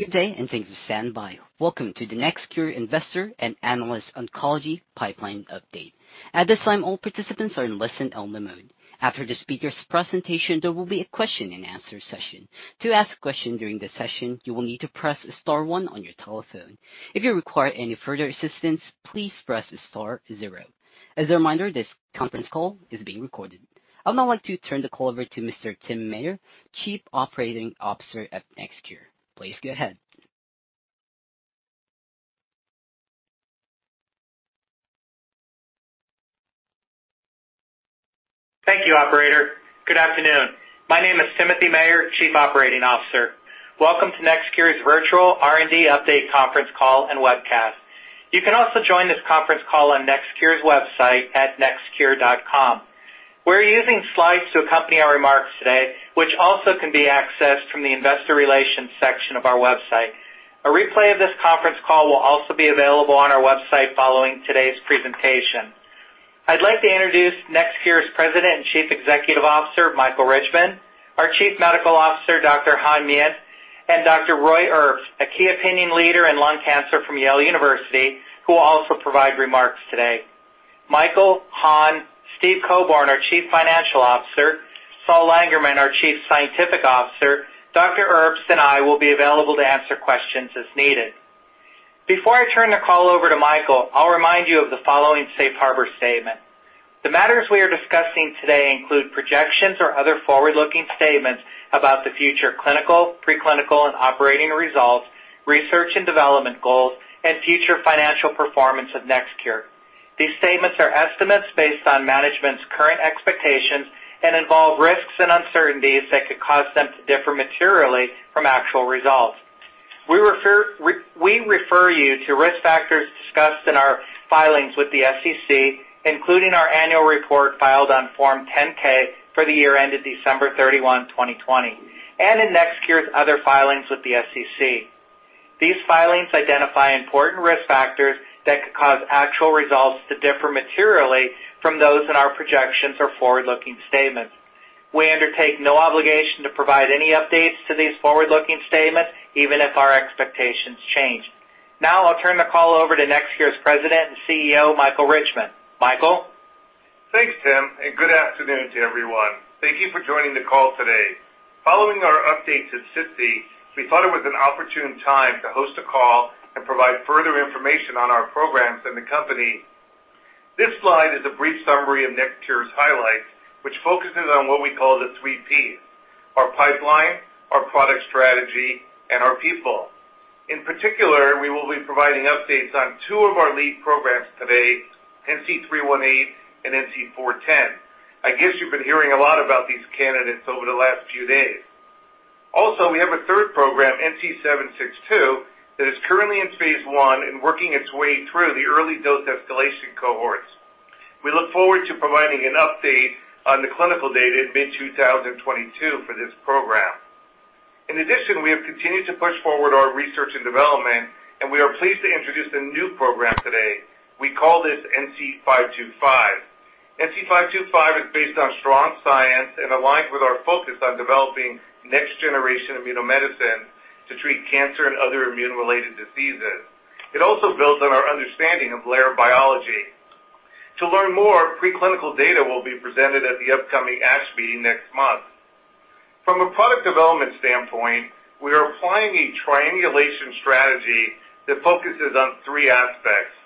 Good day, and thanks for standing by. Welcome to the NextCure Investor and Analyst Oncology Pipeline Update. At this time, all participants are in listen-only mode. After the speaker's presentation, there will be a question-and-answer session. To ask a question during the session, you will need to press star one on your telephone. If you require any further assistance, please press star zero. As a reminder, this conference call is being recorded. I would now like to turn the call over to Mr. Timothy Mayer, Chief Operating Officer at NextCure. Please go ahead. Thank you, operator. Good afternoon. My name is Timothy Mayer, Chief Operating Officer. Welcome to NextCure's Virtual R&D Update Conference Call and Webcast. You can also join this conference call on NextCure's website at nextcure.com. We're using slides to accompany our remarks today, which also can be accessed from the investor relations section of our website. A replay of this conference call will also be available on our website following today's presentation. I'd like to introduce NextCure's President and Chief Executive Officer, Michael Richman, our Chief Medical Officer, Dr. Han Myint, and Dr. Roy Herbst, a key opinion leader in lung cancer from Yale University, who will also provide remarks today. Michael, Han, Steve Cobourn, our Chief Financial Officer, Solomon Langermann, our Chief Scientific Officer, Dr. Herbst, and I will be available to answer questions as needed. Before I turn the call over to Michael, I'll remind you of the following safe harbor statement. The matters we are discussing today include projections or other forward-looking statements about the future clinical, preclinical, and operating results, research and development goals, and future financial performance of NextCure. These statements are estimates based on management's current expectations and involve risks and uncertainties that could cause them to differ materially from actual results. We refer you to risk factors discussed in our filings with the SEC, including our annual report filed on Form 10-K for the year ended December 31, 2020, and in NextCure's other filings with the SEC. These filings identify important risk factors that could cause actual results to differ materially from those in our projections or forward-looking statements. We undertake no obligation to provide any updates to these forward-looking statements even if our expectations change. Now I'll turn the call over to NextCure's President and CEO, Michael Richman. Michael? Thanks, Tim, and good afternoon to everyone. Thank you for joining the call today. Following our update to SITC, we thought it was an opportune time to host a call and provide further information on our programs in the company. This slide is a brief summary of NextCure's highlights, which focuses on what we call the three P's, our Pipeline, our Product strategy, and our People. In particular, we will be providing updates on two of our lead programs today, NC318 and NC410. I guess you've been hearing a lot about these candidates over the last few days. Also, we have a third program, NC762, that is currently in phase I and working its way through the early dose escalation cohorts. We look forward to providing an update on the clinical data in mid-2022 for this program. In addition, we have continued to push forward our research and development, and we are pleased to introduce a new program today. We call this NC525. NC525 is based on strong science and aligns with our focus on developing next-generation immunomedicine to treat cancer and other immune-related diseases. It also builds on our understanding of LAIR biology. Preclinical data will be presented at the upcoming ASH meeting next month. From a product development standpoint, we are applying a triangulation strategy that focuses on three aspects,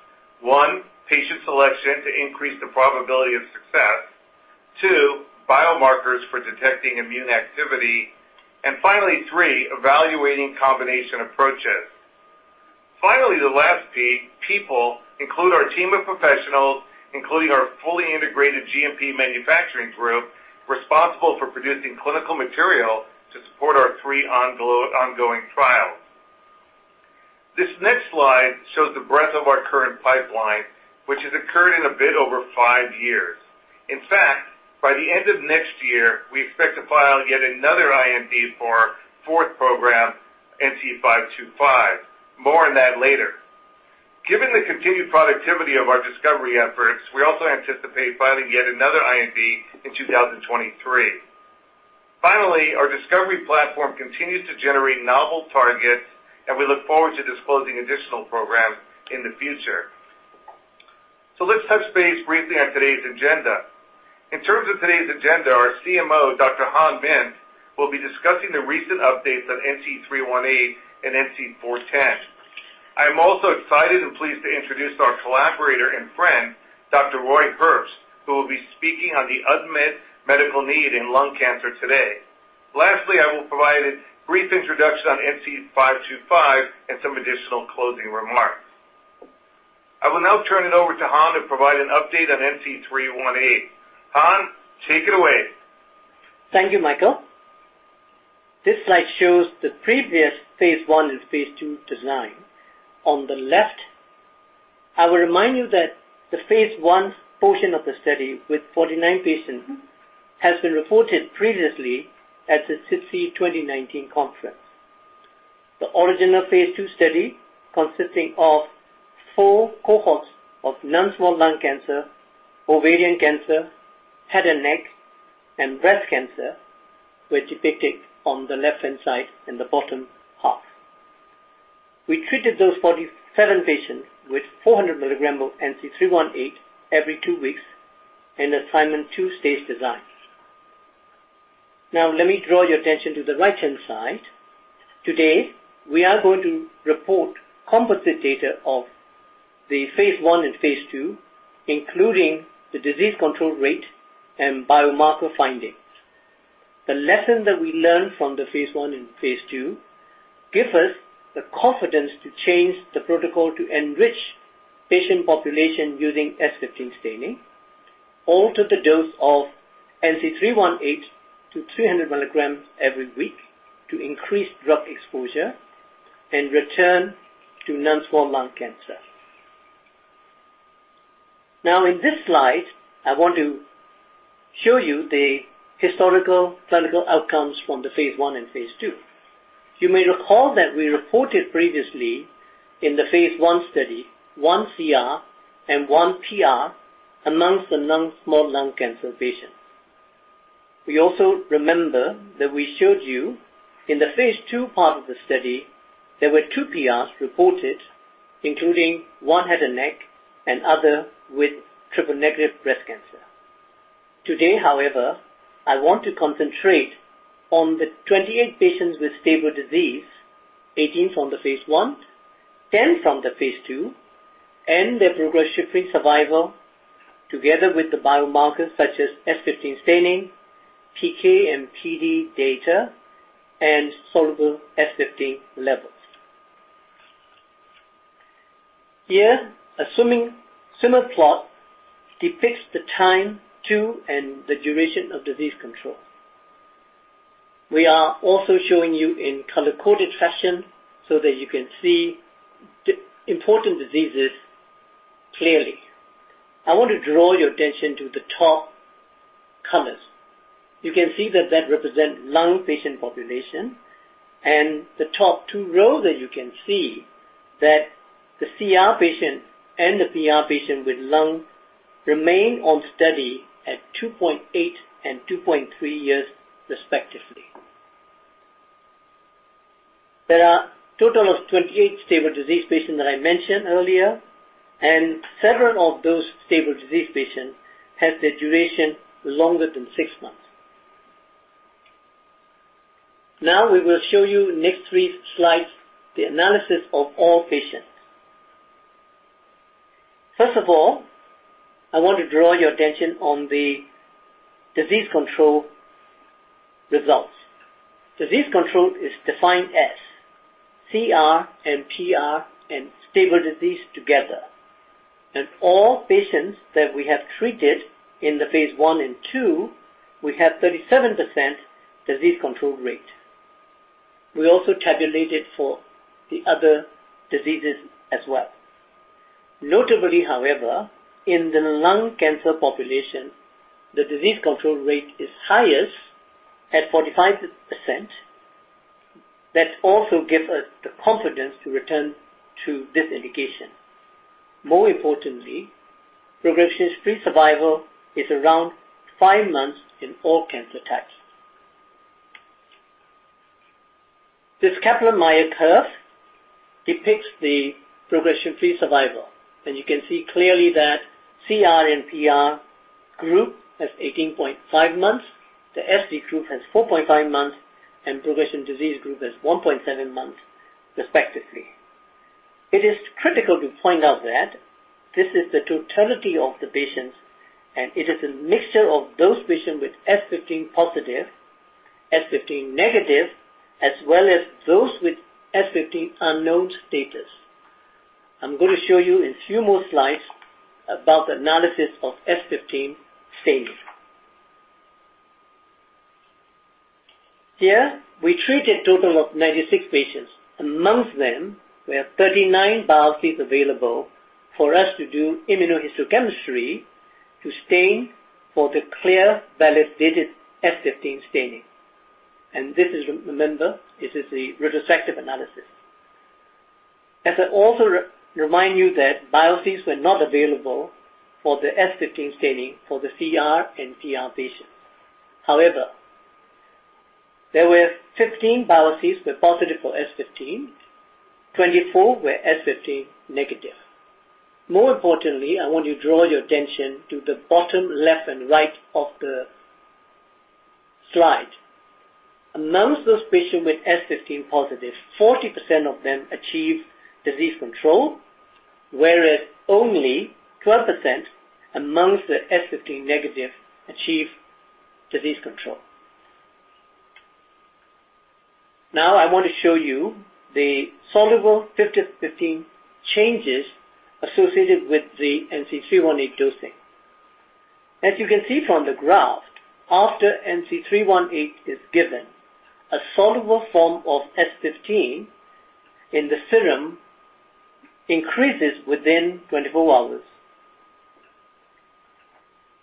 one, patient selection to increase the probability of success, two, biomarkers for detecting immune activity, and finally, three, evaluating combination approaches. Finally, the last P, People, include our team of professionals, including our fully integrated GMP manufacturing group, responsible for producing clinical material to support our three ongoing trials. This next slide shows the breadth of our current pipeline, which has occurred in a bit over five years. In fact, by the end of next year, we expect to file yet another IND for our fourth program, NC525. More on that later. Given the continued productivity of our discovery efforts, we also anticipate filing yet another IND in 2023. Finally, our discovery platform continues to generate novel targets, and we look forward to disclosing additional programs in the future. Let's touch base briefly on today's agenda. In terms of today's agenda, our CMO, Dr. Han Myint, will be discussing the recent updates on NC318 and NC410. I'm also excited and pleased to introduce our collaborator and friend, Dr. Roy Herbst, who will be speaking on the unmet medical need in lung cancer today. Lastly, I will provide a brief introduction on NC525 and some additional closing remarks. I will now turn it over to Han to provide an update on NC318. Han, take it away. Thank you, Michael. This slide shows the previous phase I and phase II design. On the left, I will remind you that the phase I portion of the study with 49 patients has been reported previously at the SITC 2019 conference. The original phase II study, consisting of four cohorts of non-small cell lung cancer, ovarian cancer, head and neck and breast cancer were depicted on the left-hand side in the bottom half. We treated those 47 patients with 400 mg of NC318 every two weeks in a Simon two-stage design. Now let me draw your attention to the right-hand side. Today, we are going to report composite data of the phase I and phase II, including the disease control rate and biomarker findings. The lesson that we learned from the phase I and phase II give us the confidence to change the protocol to enrich patient population using S15 staining, alter the dose of NC318 to 300 mg every week to increase drug exposure and return to non-small cell lung cancer. Now in this slide, I want to show you the historical clinical outcomes from the phase I and phase II. You may recall that we reported previously in the phase I study, one CR and one PR amongst the non-small cell lung cancer patients. We also remember that we showed you in the phase II part of the study, there were two PRs reported, including one head and neck and other with triple-negative breast cancer. Today, however, I want to concentrate on the 28 patients with stable disease, 18 from the phase I, 10 from the phase II, and their progression-free survival together with the biomarkers such as S15 staining, PK and PD data, and soluble S15 levels. Here, a similar plot depicts the time to and the duration of disease control. We are also showing you in color-coded fashion so that you can see the important diseases clearly. I want to draw your attention to the top colors. You can see that that represents lung patient population and the top two rows that you can see that the CR patient and the PR patient with lung remain on study at 2.8 and 2.3 years respectively. There are total of 28 stable disease patients that I mentioned earlier, and several of those stable disease patients have the duration longer than six months. Now we will show you next three slides, the analysis of all patients. First of all, I want to draw your attention on the disease control results. Disease control is defined as CR and PR and stable disease together. All patients that we have treated in the phase I and II, we have 37% disease control rate. We also tabulated for the other diseases as well. Notably, however, in the lung cancer population, the disease control rate is highest at 45%. That also give us the confidence to return to this indication. More importantly, progression-free survival is around five months in all cancer types. This Kaplan-Meier curve depicts the progression-free survival, and you can see clearly that CR and PR group has 18.5 months, the SD group has 4.5 months, and progressive disease group has 1.7 months respectively. It is critical to point out that this is the totality of the patients, and it is a mixture of those patients with S15-positive, S15-negative, as well as those with S15 unknown status. I'm gonna show you in a few more slides about the analysis of S15 staining. Here, we treated a total of 96 patients. Among them, we have 39 biopsies available for us to do immunohistochemistry to stain for the clear, validated S15 staining. This is, remember, a retrospective analysis. As I also remind you that biopsies were not available for the S15 staining for the CR and PR patients. However, there were 15 biopsies were positive for S15. 24 were S15-negative. More importantly, I want to draw your attention to the bottom left and right of the slide. Among those patients with S15-positive, 40% of them achieved disease control, whereas only 12% among the S15-negative achieved disease control. Now I want to show you the soluble S15 changes associated with the NC318 dosing. As you can see from the graph, after NC318 is given, a soluble form of S15 in the serum increases within 24 hours.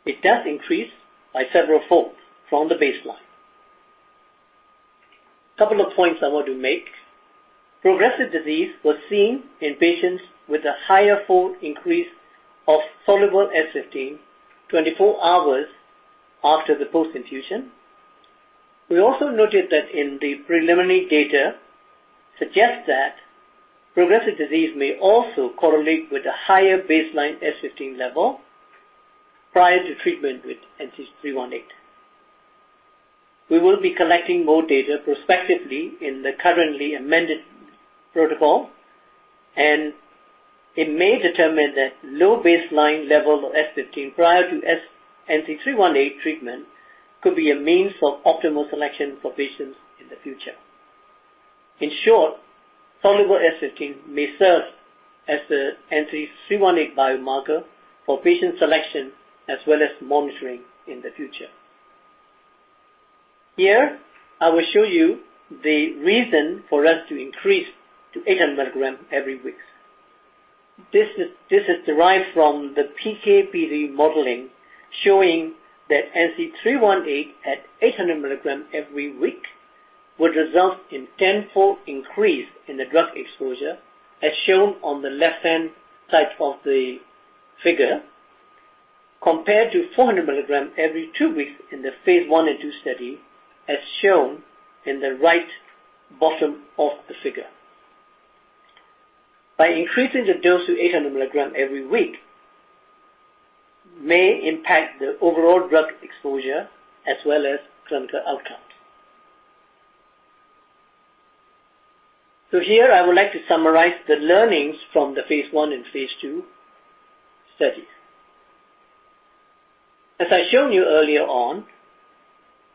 It does increase by several fold from the baseline. Couple of points I want to make. Progressive disease was seen in patients with a higher fold increase of soluble S15 24 hours after the post infusion. We also noted that in the preliminary data suggests that progressive disease may also correlate with a higher baseline S15 level prior to treatment with NC318. We will be collecting more data prospectively in the currently amended protocol, and it may determine that low baseline level of S15 prior to NC318 treatment could be a means for optimal selection for patients in the future. In short, soluble S15 may serve as the NC318 biomarker for patient selection as well as monitoring in the future. Here I will show you the reason for us to increase to 800 mg every week. This is derived from the PK/PD modeling, showing that NC318 at 800 mg every week would result in tenfold increase in the drug exposure, as shown on the left-hand side of the figure, compared to 400 mg every two weeks in the phase I and II study, as shown in the right bottom of the figure. By increasing the dose to 800 mg every week may impact the overall drug exposure as well as clinical outcomes. Here I would like to summarize the learnings from the phase I and phase II studies. As I shown you earlier on,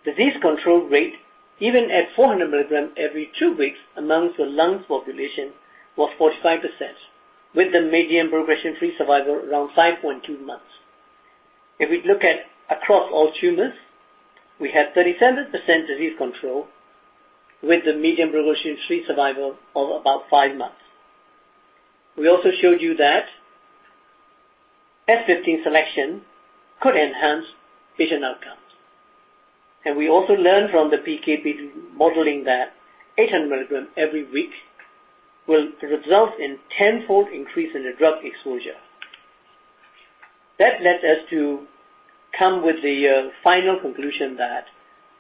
disease control rate, even at 400 mg every two weeks among the lung population was 45%, with the median progression-free survival around 5.2 months. If we look at across all tumors, we have 37% disease control with the median progression-free survival of about five months. We also showed you that S15 selection could enhance patient outcomes. We also learned from the PK/PD modeling that 800 mg every week will result in tenfold increase in the drug exposure. That led us to come with the final conclusion that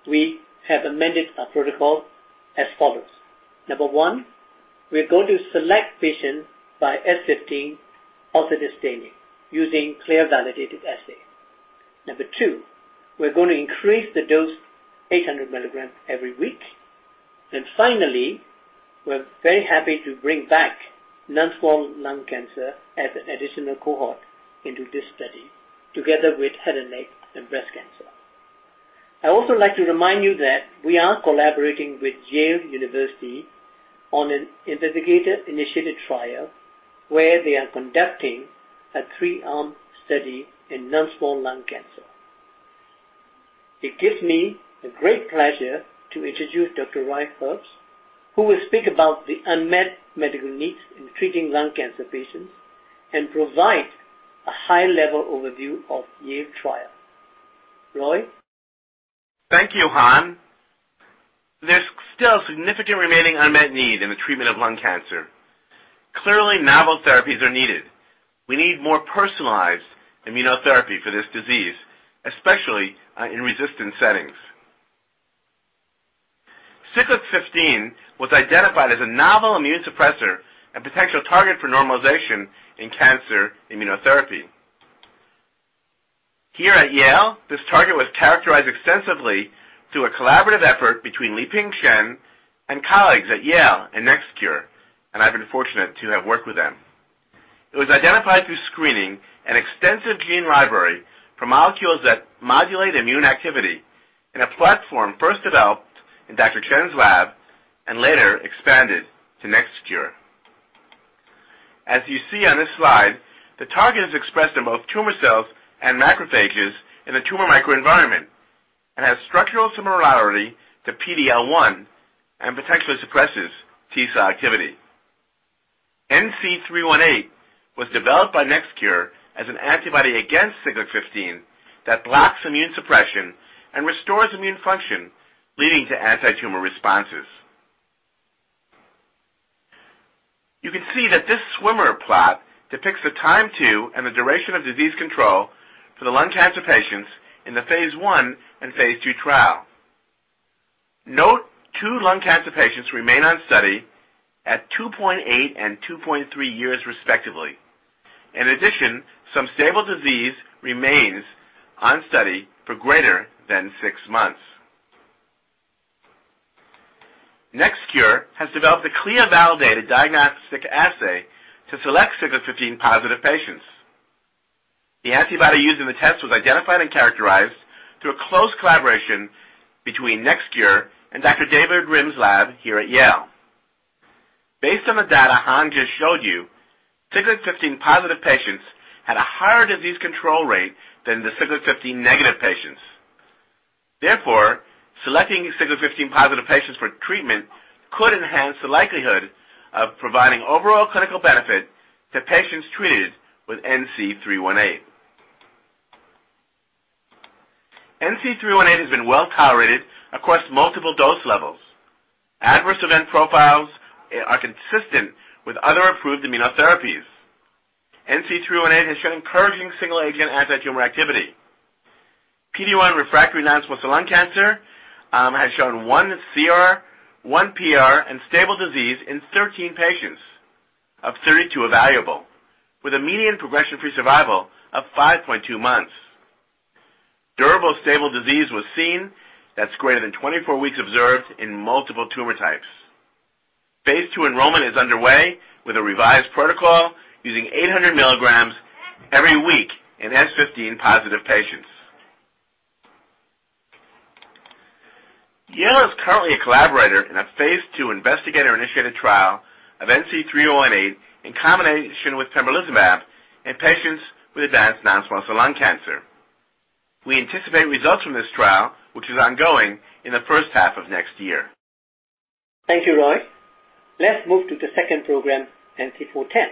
we have amended our protocol as follows. Number one, we're going to select patients by S15 auto-staining using CLIA-validated assay. Number two, we're going to increase the dose 800 mg every week. Finally, we're very happy to bring back non-small cell lung cancer as an additional cohort into this study, together with head and neck and breast cancer. I also like to remind you that we are collaborating with Yale University on an investigator-initiated trial where they are conducting a three-arm study in non-small cell lung cancer. It gives me a great pleasure to introduce Dr. Roy Herbst, who will speak about the unmet medical needs in treating lung cancer patients and provide a high-level overview of Yale trial. Roy. Thank you, Han. There's still significant remaining unmet need in the treatment of lung cancer. Clearly, novel therapies are needed. We need more personalized immunotherapy for this disease, especially in resistant settings. Siglec-15 was identified as a novel immune suppressor and potential target for normalization in cancer immunotherapy. Here at Yale, this target was characterized extensively through a collaborative effort between Lieping Chen and colleagues at Yale and NextCure, and I've been fortunate to have worked with them. It was identified through screening an extensive gene library for molecules that modulate immune activity in a platform first developed in Dr. Chen's lab and later expanded to NextCure. As you see on this slide, the target is expressed in both tumor cells and macrophages in the tumor microenvironment and has structural similarity to PD-L1 and potentially suppresses T cell activity. NC318 was developed by NextCure as an antibody against Siglec-15 that blocks immune suppression and restores immune function, leading to antitumor responses. You can see that this swimmer plot depicts the time to and the duration of disease control for the lung cancer patients in the phase I and phase II trial. Note two lung cancer patients remain on study at 2.8 and 2.3 years respectively. In addition, some stable disease remains on study for greater than six months. NextCure has developed a CLIA-validated diagnostic assay to select Siglec-15-positive patients. The antibody used in the test was identified and characterized through a close collaboration between NextCure and Dr. David Rimm's lab here at Yale. Based on the data Han Myint just showed you, Siglec-15-positive patients had a higher disease control rate than the Siglec-15-negative patients. Therefore, selecting Siglec-15-positive patients for treatment could enhance the likelihood of providing overall clinical benefit to patients treated with NC318. NC318 has been well tolerated across multiple dose levels. Adverse event profiles are consistent with other approved immunotherapies. NC318 has shown encouraging single agent antitumor activity in PD-1 refractory non-small cell lung cancer, with one CR, one PR, and stable disease in 13 of 32 evaluable patients, with a median progression-free survival of 5.2 months. Durable stable disease greater than 24 weeks was observed in multiple tumor types. Phase II enrollment is underway with a revised protocol using 800 mg every week in S15-positive patients. Yale is currently a collaborator in a phase II investigator-initiated trial of NC318 in combination with pembrolizumab in patients with advanced non-small cell lung cancer. We anticipate results from this trial, which is ongoing, in the first half of next year. Thank you, Roy. Let's move to the second program, NC410.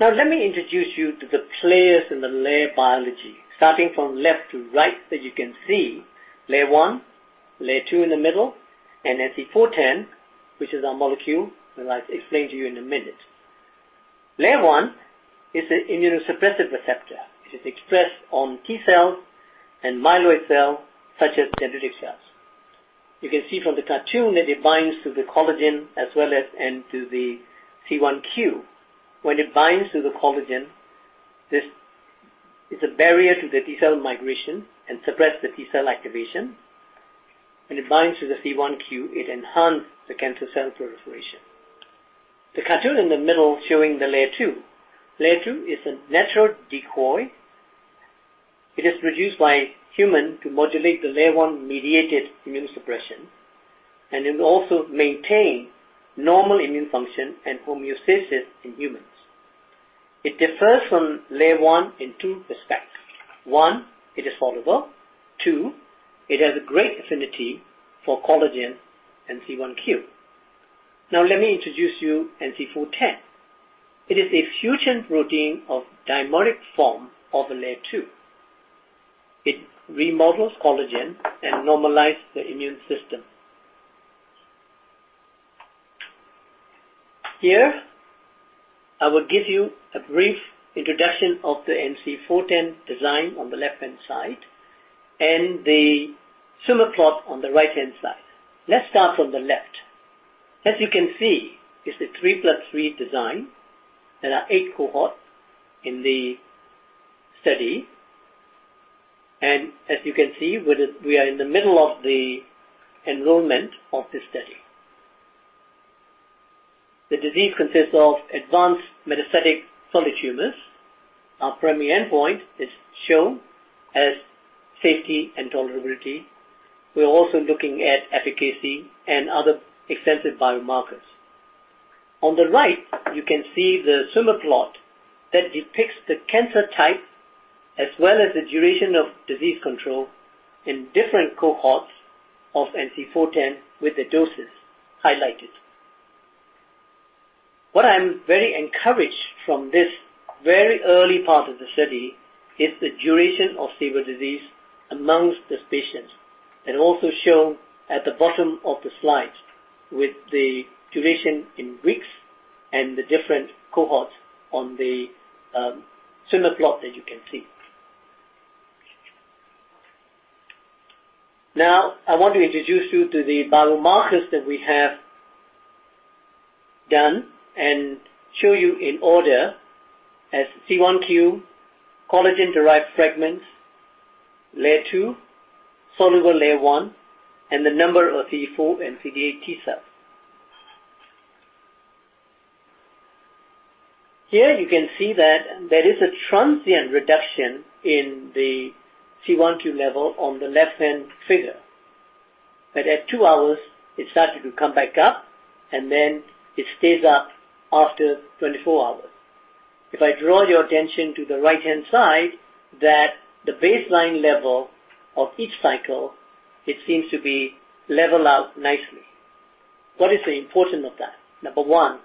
Now, let me introduce you to the players in the LAIR biology, starting from left to right. As you can see, LAIR-1, LAIR-2 in the middle, and NC410, which is our molecule, and I'll explain to you in a minute. LAIR-1 is an immunosuppressive receptor. It is expressed on T cells and myeloid cells, such as dendritic cells. You can see from the cartoon that it binds to the collagen as well as to the C1q. When it binds to the collagen, this is a barrier to the T cell migration and suppress the T cell activation. When it binds to the C1q, it enhance the cancer cell proliferation. The cartoon in the middle showing the LAIR-2. LAIR-2 is a natural decoy. It is produced by human to modulate the LAIR-1-mediated immune suppression, and it also maintain normal immune function and homeostasis in humans. It differs from LAIR-1 in two respects. One, it is soluble. Two, it has a great affinity for collagen and C1q. Now, let me introduce you NC410. It is a fusion protein of dimeric form of LAIR-2. It remodels collagen and normalize the immune system. Here, I will give you a brief introduction of the NC410 design on the left-hand side and the swimmer plot on the right-hand side. Let's start from the left. As you can see, it's a 3+3 design. There are eight cohorts in the study. As you can see, we are in the middle of the enrollment of this study. The disease consists of advanced metastatic solid tumors. Our primary endpoint is shown as safety and tolerability. We're also looking at efficacy and other extensive biomarkers. On the right, you can see the swimmer plot that depicts the cancer type as well as the duration of disease control in different cohorts of NC410 with the doses highlighted. What I'm very encouraged from this very early part of the study is the duration of stable disease amongst these patients, and also shown at the bottom of the slide with the duration in weeks and the different cohorts on the swimmer plot that you can see. Now, I want to introduce you to the biomarkers that we have done and show you in order as C1q, collagen-derived fragments, LAIR-1, soluble LAIR-1, and the number of CD4 and CD8 T cells. Here you can see that there is a transient reduction in the C1q level on the left-hand figure. At two hours, it started to come back up, and then it stays up after 24 hours. If I draw your attention to the right-hand side, that the baseline level of each cycle, it seems to be level out nicely. What is the importance of that? Number one,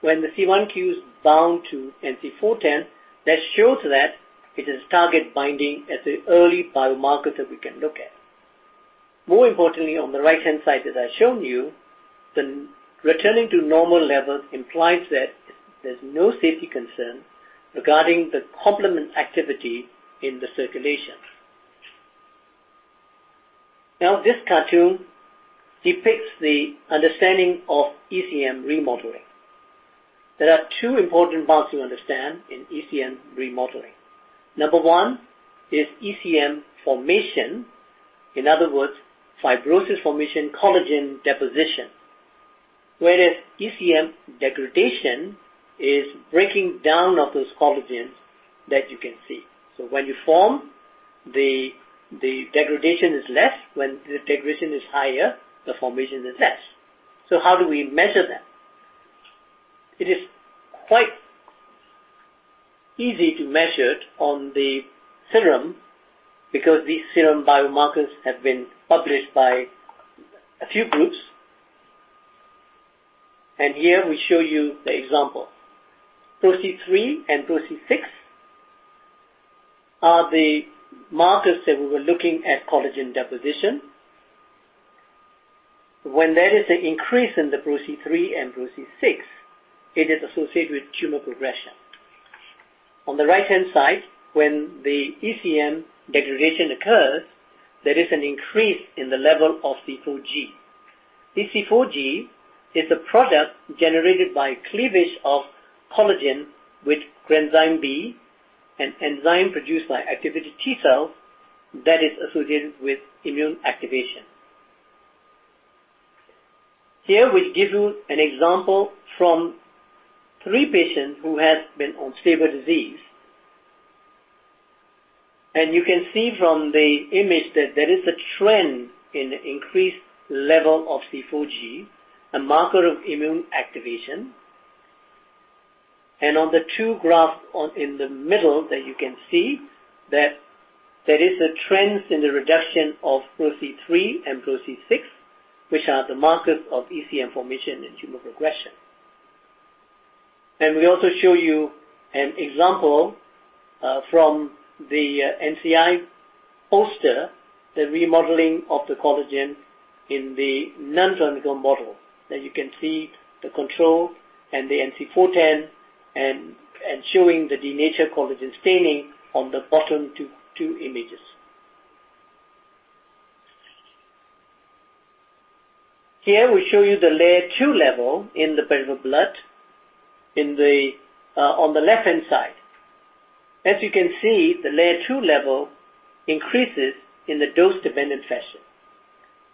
when the C1q's bound to NC410, that shows that it is target binding as an early biomarker that we can look at. More importantly, on the right-hand side, as I shown you, the returning to normal levels implies that there's no safety concern regarding the complement activity in the circulation. Now, this cartoon depicts the understanding of ECM remodeling. There are two important parts to understand in ECM remodeling. Number one is ECM formation. In other words, fibrosis formation, collagen deposition. Whereas ECM degradation is breaking down of those collagens that you can see. When you form, the degradation is less. When the degradation is higher, the formation is less. How do we measure that? It is quite easy to measure it on the serum because these serum biomarkers have been published by a few groups. Here we show you the example. PRO-C3 and PRO-C6 are the markers that we were looking at collagen deposition. When there is an increase in the PRO-C3 and PRO-C6, it is associated with tumor progression. On the right-hand side, when the ECM degradation occurs, there is an increase in the level of C4G. This C4G is a product generated by cleavage of collagen with Granzyme B, an enzyme produced by activated T cells that is associated with immune activation. Here we give you an example from three patients who have been on stable disease. You can see from the image that there is a trend in the increased level of C4G, a marker of immune activation. On the two graphs in the middle, you can see that there is a trend in the reduction of PRO-C3 and PRO-C6 which are the markers of ECM formation and tumor progression. We also show you an example from the NCI poster, the remodeling of the collagen in the non-tumor model. There you can see the control and the NC410 showing the denatured collagen staining on the bottom two images. Here we show you the LAIR-2 level in the peripheral blood on the left-hand side. As you can see, the LAIR-2 level increases in a dose-dependent fashion.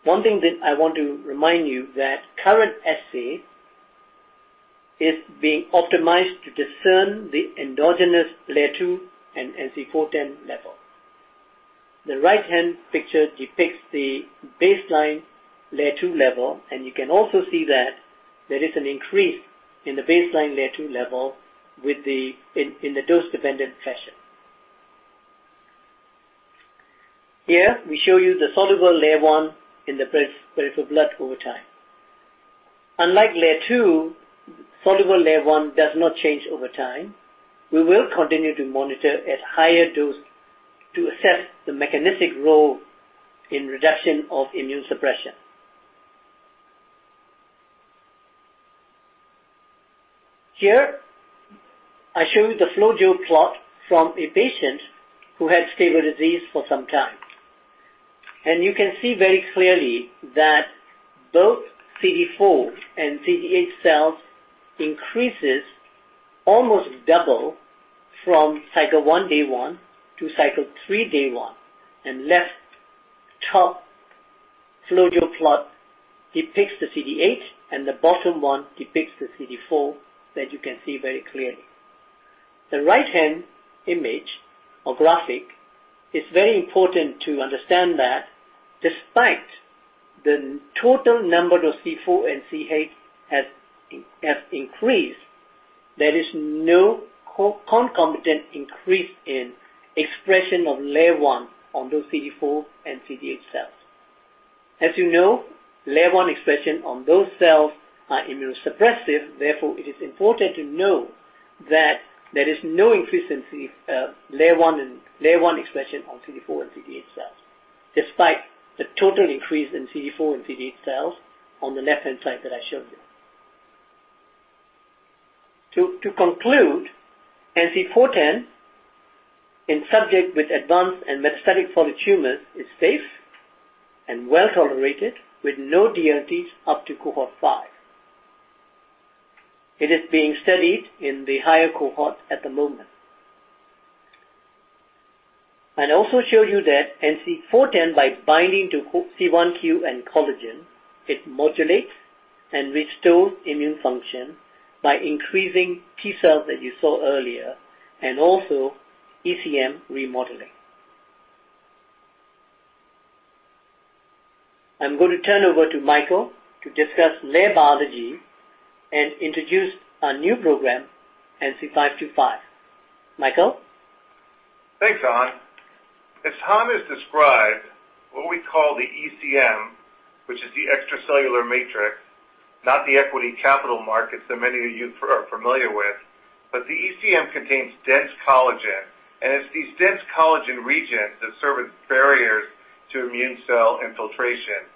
One thing that I want to remind you that current assay is being optimized to discern the endogenous LAIR-2 and NC410 level. The right-hand picture depicts the baseline LAIR-2 level, and you can also see that there is an increase in the baseline LAIR-2 level with the dose-dependent fashion. Here we show you the soluble LAIR-1 in the peripheral blood over time. Unlike LAIR-2, soluble LAIR-1 does not change over time. We will continue to monitor at higher dose to assess the mechanistic role in reduction of immune suppression. Here I show you the FlowJo plot from a patient who had stable disease for some time. You can see very clearly that both CD4 and CD8 cells increases almost double from Cycle 1, Day 1 to Cycle 3, Day 1. Left top FlowJo plot depicts the CD8 and the bottom one depicts the CD4 that you can see very clearly. The right-hand image or graphic is very important to understand that despite the total number of CD4 and CD8 has increased, there is no concomitant increase in expression of LAIR-1 on those CD4 and CD8 cells. As you know, LAIR-1 expression on those cells are immunosuppressive, therefore it is important to know that there is no increase in LAIR-1 expression on CD4 and CD8 cells, despite the total increase in CD4 and CD8 cells on the left-hand side that I showed you. To conclude, NC410 in subjects with advanced and metastatic solid tumors is safe and well-tolerated with no DLTs up to Cohort five. It is being studied in the higher cohort at the moment. I also showed you that NC410 by binding to C1q and collagen, it modulates and restores immune function by increasing T cells that you saw earlier and also ECM remodeling. I'm going to turn over to Michael to discuss LAIR biology and introduce our new program, NC525. Michael? Thanks, Han. As Han has described what we call the ECM, which is the extracellular matrix, not the equity capital markets that many of you are familiar with. The ECM contains dense collagen, and it's these dense collagen regions that serve as barriers to immune cell infiltration.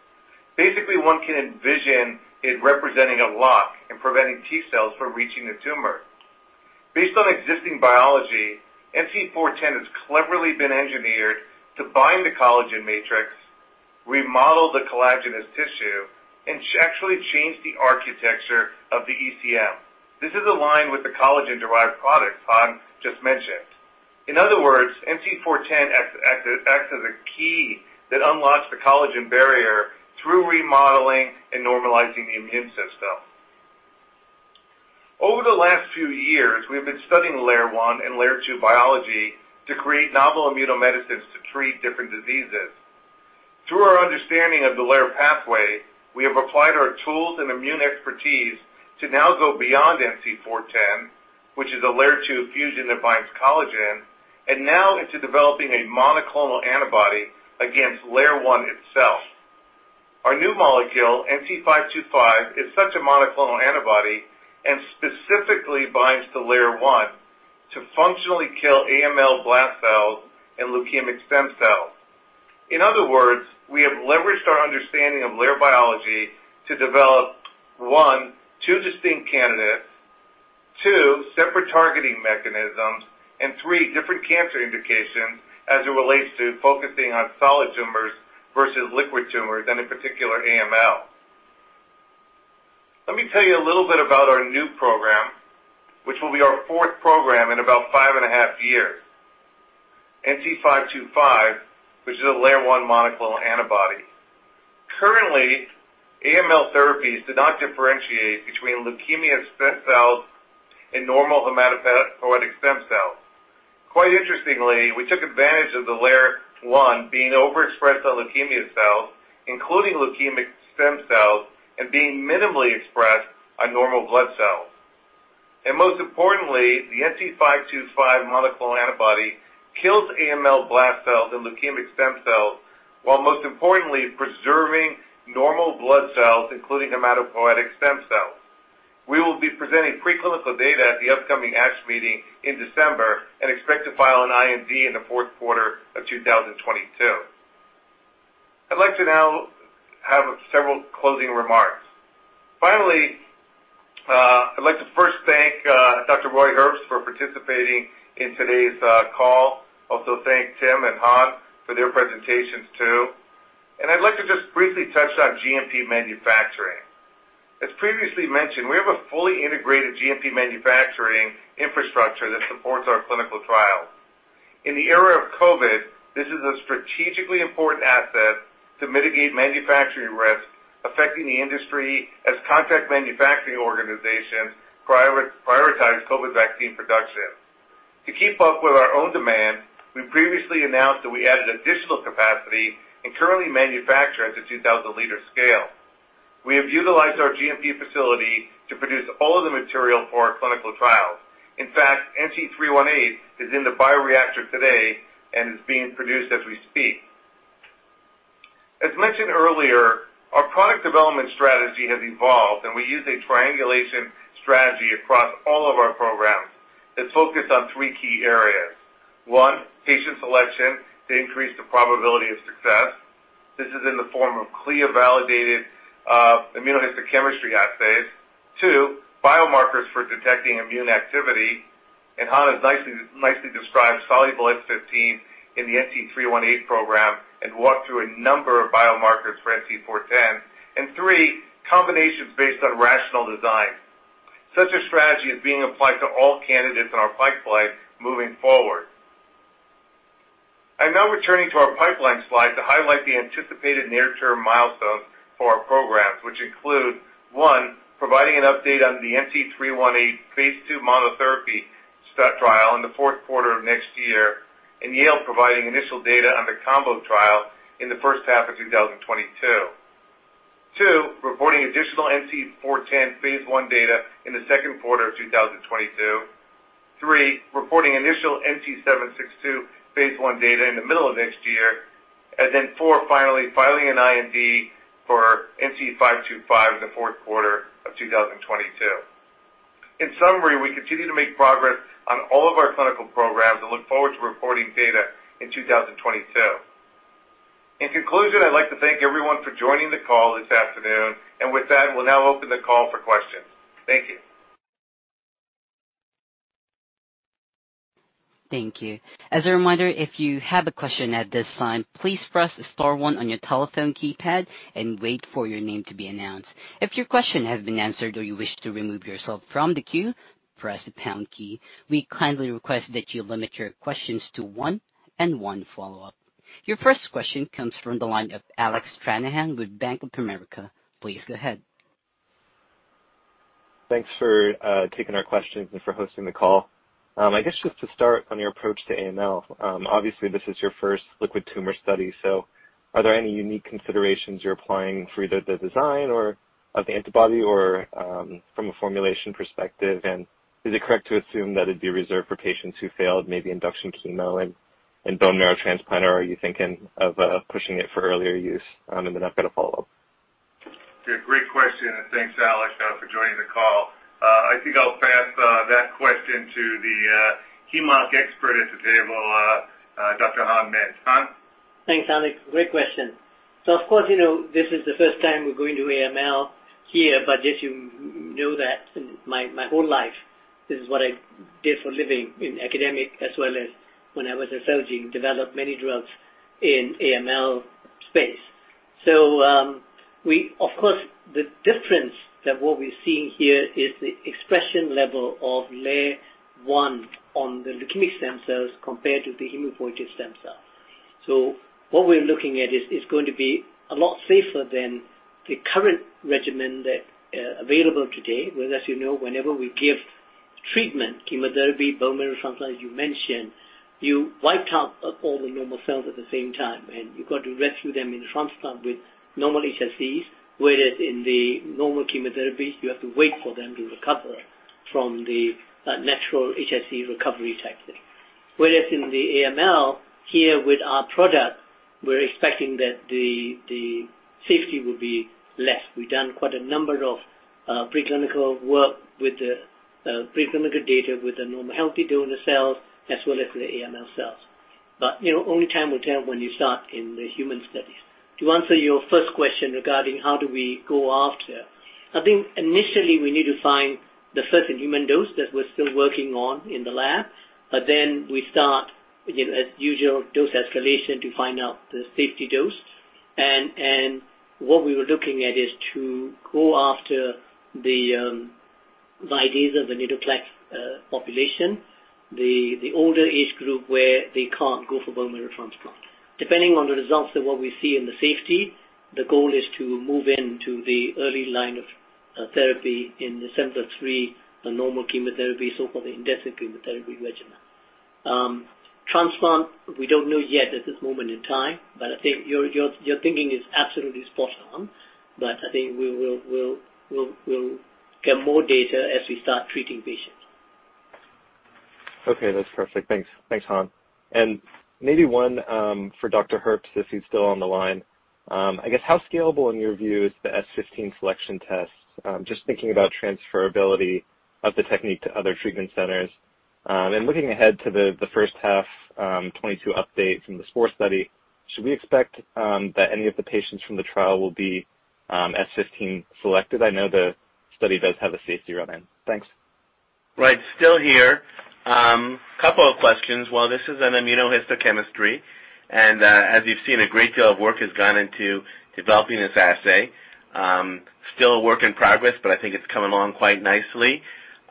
Basically, one can envision it representing a lock and preventing T cells from reaching the tumor. Based on existing biology, NC410 has cleverly been engineered to bind the collagen matrix, remodel the collagenous tissue, and actually change the architecture of the ECM. This is aligned with the collagen-derived products Han just mentioned. In other words, NC410 acts as a key that unlocks the collagen barrier through remodeling and normalizing the immune system. Over the last few years, we have been studying LAIR-1 and LAIR-2 biology to create novel immunomedicines to treat different diseases. Through our understanding of the LAIR pathway, we have applied our tools and immune expertise to now go beyond NC410, which is a LAIR-2 fusion that binds collagen, and now into developing a monoclonal antibody against LAIR-1 itself. Our new molecule, NC525, is such a monoclonal antibody and specifically binds to LAIR-1 to functionally kill AML blast cells and leukemic stem cells. In other words, we have leveraged our understanding of LAIR biology to develop, one, two distinct candidates, two, separate targeting mechanisms, and three, different cancer indications as it relates to focusing on solid tumors versus liquid tumors, and in particular, AML. Let me tell you a little bit about our new program, which will be our fourth program in about 5.5 years, NC525, which is a LAIR-1 monoclonal antibody. Currently, AML therapies do not differentiate between leukemia stem cells and normal hematopoietic stem cells. Quite interestingly, we took advantage of the LAIR-1 being overexpressed on leukemia cells, including leukemic stem cells, and being minimally expressed on normal blood cells. Most importantly, the NC525 monoclonal antibody kills AML blast cells and leukemic stem cells, while most importantly preserving normal blood cells, including hematopoietic stem cells. We will be presenting preclinical data at the upcoming ASH meeting in December and expect to file an IND in the fourth quarter of 2022. I'd like to now have several closing remarks. Finally, I'd like to first thank Dr. Roy Herbst for participating in today's call. Also thank Tim and Han for their presentations too. I'd like to just briefly touch on GMP manufacturing. As previously mentioned, we have a fully integrated GMP manufacturing infrastructure that supports our clinical trials. In the era of COVID, this is a strategically important asset to mitigate manufacturing risks affecting the industry as contract manufacturing organizations prioritize COVID vaccine production. To keep up with our own demand, we previously announced that we added additional capacity and currently manufacture at the 2,000 L scale. We have utilized our GMP facility to produce all of the material for our clinical trials. In fact, NC318 is in the bioreactor today and is being produced as we speak. As mentioned earlier, our product development strategy has evolved, and we use a triangulation strategy across all of our programs that focus on three key areas. One, patient selection to increase the probability of success. This is in the form of CLIA-validated immunohistochemistry assays. Two, biomarkers for detecting immune activity. Han has nicely described soluble Siglec-15 in the NC318 program and walked through a number of biomarkers for NC410. Three, combinations based on rational design. Such a strategy is being applied to all candidates in our pipeline moving forward. I'm now returning to our pipeline slide to highlight the anticipated near-term milestones for our programs, which include, one, providing an update on the NC318 phase II monotherapy solid tumor trial in the fourth quarter of next year, and Yale providing initial data on the combo trial in the first half of 2022. Two, reporting additional NC410 phase I data in the second quarter of 2022. Three, reporting initial NC762 phase I data in the middle of next year. Four, finally, filing an IND for NC525 in the fourth quarter of 2022. In summary, we continue to make progress on all of our clinical programs and look forward to reporting data in 2022. In conclusion, I'd like to thank everyone for joining the call this afternoon. With that, we'll now open the call for questions. Thank you. Thank you. As a reminder, if you have a question at this time, please press star one on your telephone keypad and wait for your name to be announced. If your question has been answered or you wish to remove yourself from the queue, press the pound key. We kindly request that you limit your questions to one and one follow-up. Your first question comes from the line of Alec Stranahan with Bank of America. Please go ahead. Thanks for taking our questions and for hosting the call. I guess just to start on your approach to AML, obviously this is your first liquid tumor study, so are there any unique considerations you're applying through the design or of the antibody or from a formulation perspective? Is it correct to assume that it'd be reserved for patients who failed maybe induction chemo and bone marrow transplant, or are you thinking of pushing it for earlier use? And then I've got a follow-up. Yeah, great question, and thanks Alec, for joining the call. I think I'll pass that question to the chemo expert at the table, Dr. Han Myint. Han? Thanks, Alec. Great question. Of course, you know, this is the first time we're going to AML here, but just you know that in my whole life, this is what I did for a living in academia as well as when I was at Celgene, developed many drugs in AML space. Of course, the difference that what we're seeing here is the expression level of LAIR-1 on the leukemic stem cells compared to the hematopoietic stem cell. What we're looking at is going to be a lot safer than the current regimen that's available today, whereas you know, whenever we give treatment, chemotherapy, bone marrow transplant, as you mentioned. You wiped out all the normal cells at the same time, and you got to rescue them in transplant with normal HSCs, whereas in the normal chemotherapy, you have to wait for them to recover from the natural HSC recovery kinetics. In the AML here with our product, we're expecting that the safety will be less. We've done quite a number of preclinical work with the preclinical data with the normal healthy donor cells as well as with the AML cells. You know, only time will tell when you start in the human studies. To answer your first question regarding how do we go after, I think initially we need to find the first in human dose that we're still working on in the lab, but then we start, you know, as usual, dose escalation to find out the safety dose. What we were looking at is to go after the myeloid leukemia population, the older age group where they can't go for bone marrow transplant. Depending on the results of what we see in the safety, the goal is to move into the first line of therapy in December 3, a normal chemotherapy, so-called intensive chemotherapy regimen. Transplant, we don't know yet at this moment in time, but I think your thinking is absolutely spot on. I think we will get more data as we start treating patients. Okay, that's perfect. Thanks. Thanks, Han. Maybe one for Dr. Herbst, if he's still on the line. I guess how scalable in your view is the S15 selection test? Just thinking about transferability of the technique to other treatment centers. Looking ahead to the first half 2022 update from the SPORE study, should we expect that any of the patients from the trial will be S15 selected? I know the study does have a safety run-in. Thanks. Right. Still here. Couple of questions. While this is an immunohistochemistry, and, as you've seen, a great deal of work has gone into developing this assay, still a work in progress, but I think it's coming along quite nicely.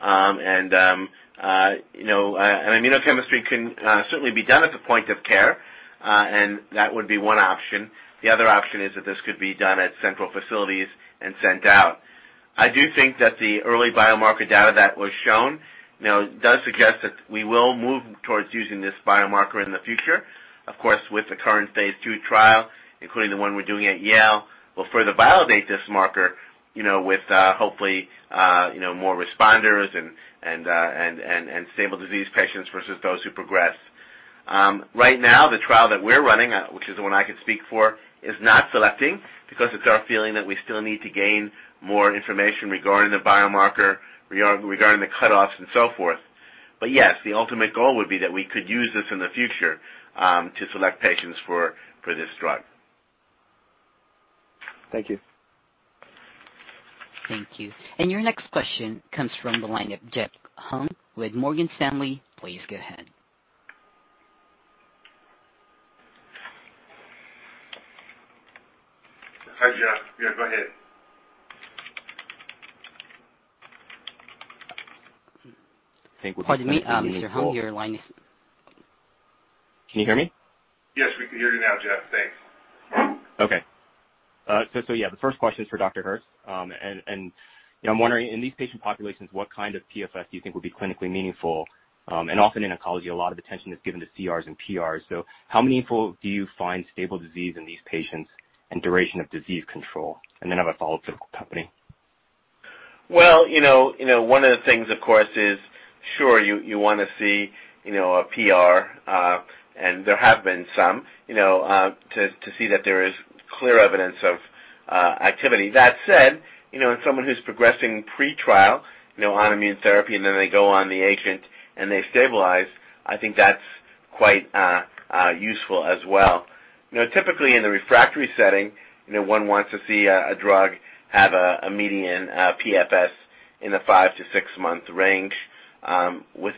Immunohistochemistry can certainly be done at the point of care, and that would be one option. The other option is that this could be done at central facilities and sent out. I do think that the early biomarker data that was shown, you know, does suggest that we will move towards using this biomarker in the future. Of course, with the current phase II trial, including the one we're doing at Yale, we'll further validate this marker, you know, with, hopefully, you know, more responders and stable disease patients versus those who progress. Right now, the trial that we're running, which is the one I can speak for, is not selecting because it's our feeling that we still need to gain more information regarding the biomarker, regarding the cutoffs and so forth. Yes, the ultimate goal would be that we could use this in the future, to select patients for this drug. Thank you. Thank you. Your next question comes from the line of Jeff Hung with Morgan Stanley. Please go ahead. Hi, Jeff. Yeah, go ahead. I think we can- Pardon me, Mr. Hung. Your line is open. Can you hear me? Yes, we can hear you now, Jeff. Thanks. The first question is for Dr. Herbst. I'm wondering in these patient populations, what kind of PFS do you think would be clinically meaningful? Often in oncology, a lot of attention is given to CRs and PRs. How meaningful do you find stable disease in these patients and duration of disease control? I have a follow-up for the company. Well, you know, one of the things, of course, is sure you wanna see, you know, a PR, and there have been some, you know, to see that there is clear evidence of activity. That said, you know, if someone who's progressing pre-trial, you know, on immune therapy, and then they go on the agent and they stabilize, I think that's quite useful as well. You know, typically in the refractory setting, you know, one wants to see a drug have a median PFS in a five to six month range,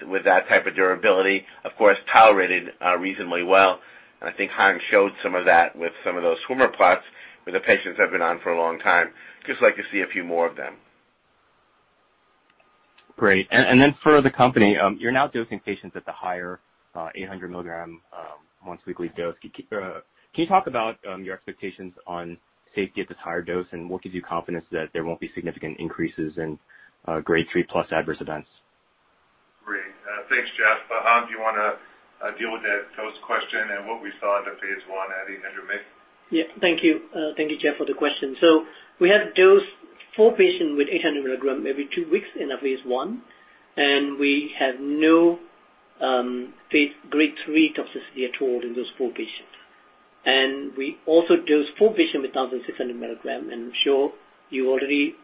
with that type of durability, of course, tolerated reasonably well. I think Han showed some of that with some of those swimmer plots where the patients have been on for a long time. Just like to see a few more of them. Great. Then for the company, you're now dosing patients at the higher, 800 mg once weekly dose. Can you talk about your expectations on safety at this higher dose, and what gives you confidence that there won't be significant increases in Grade 3+ adverse events? Great. Thanks, Jeff. Han, do you wanna deal with that dose question and what we saw in the phase I adding in the mix? Thank you, Jeff, for the question. We have dosed four patients with 800 mg every two weeks in a phase I, and we have no Grade 3 toxicity at all in those four patients. We also dosed four patients with 1,600 mg, and I'm sure you already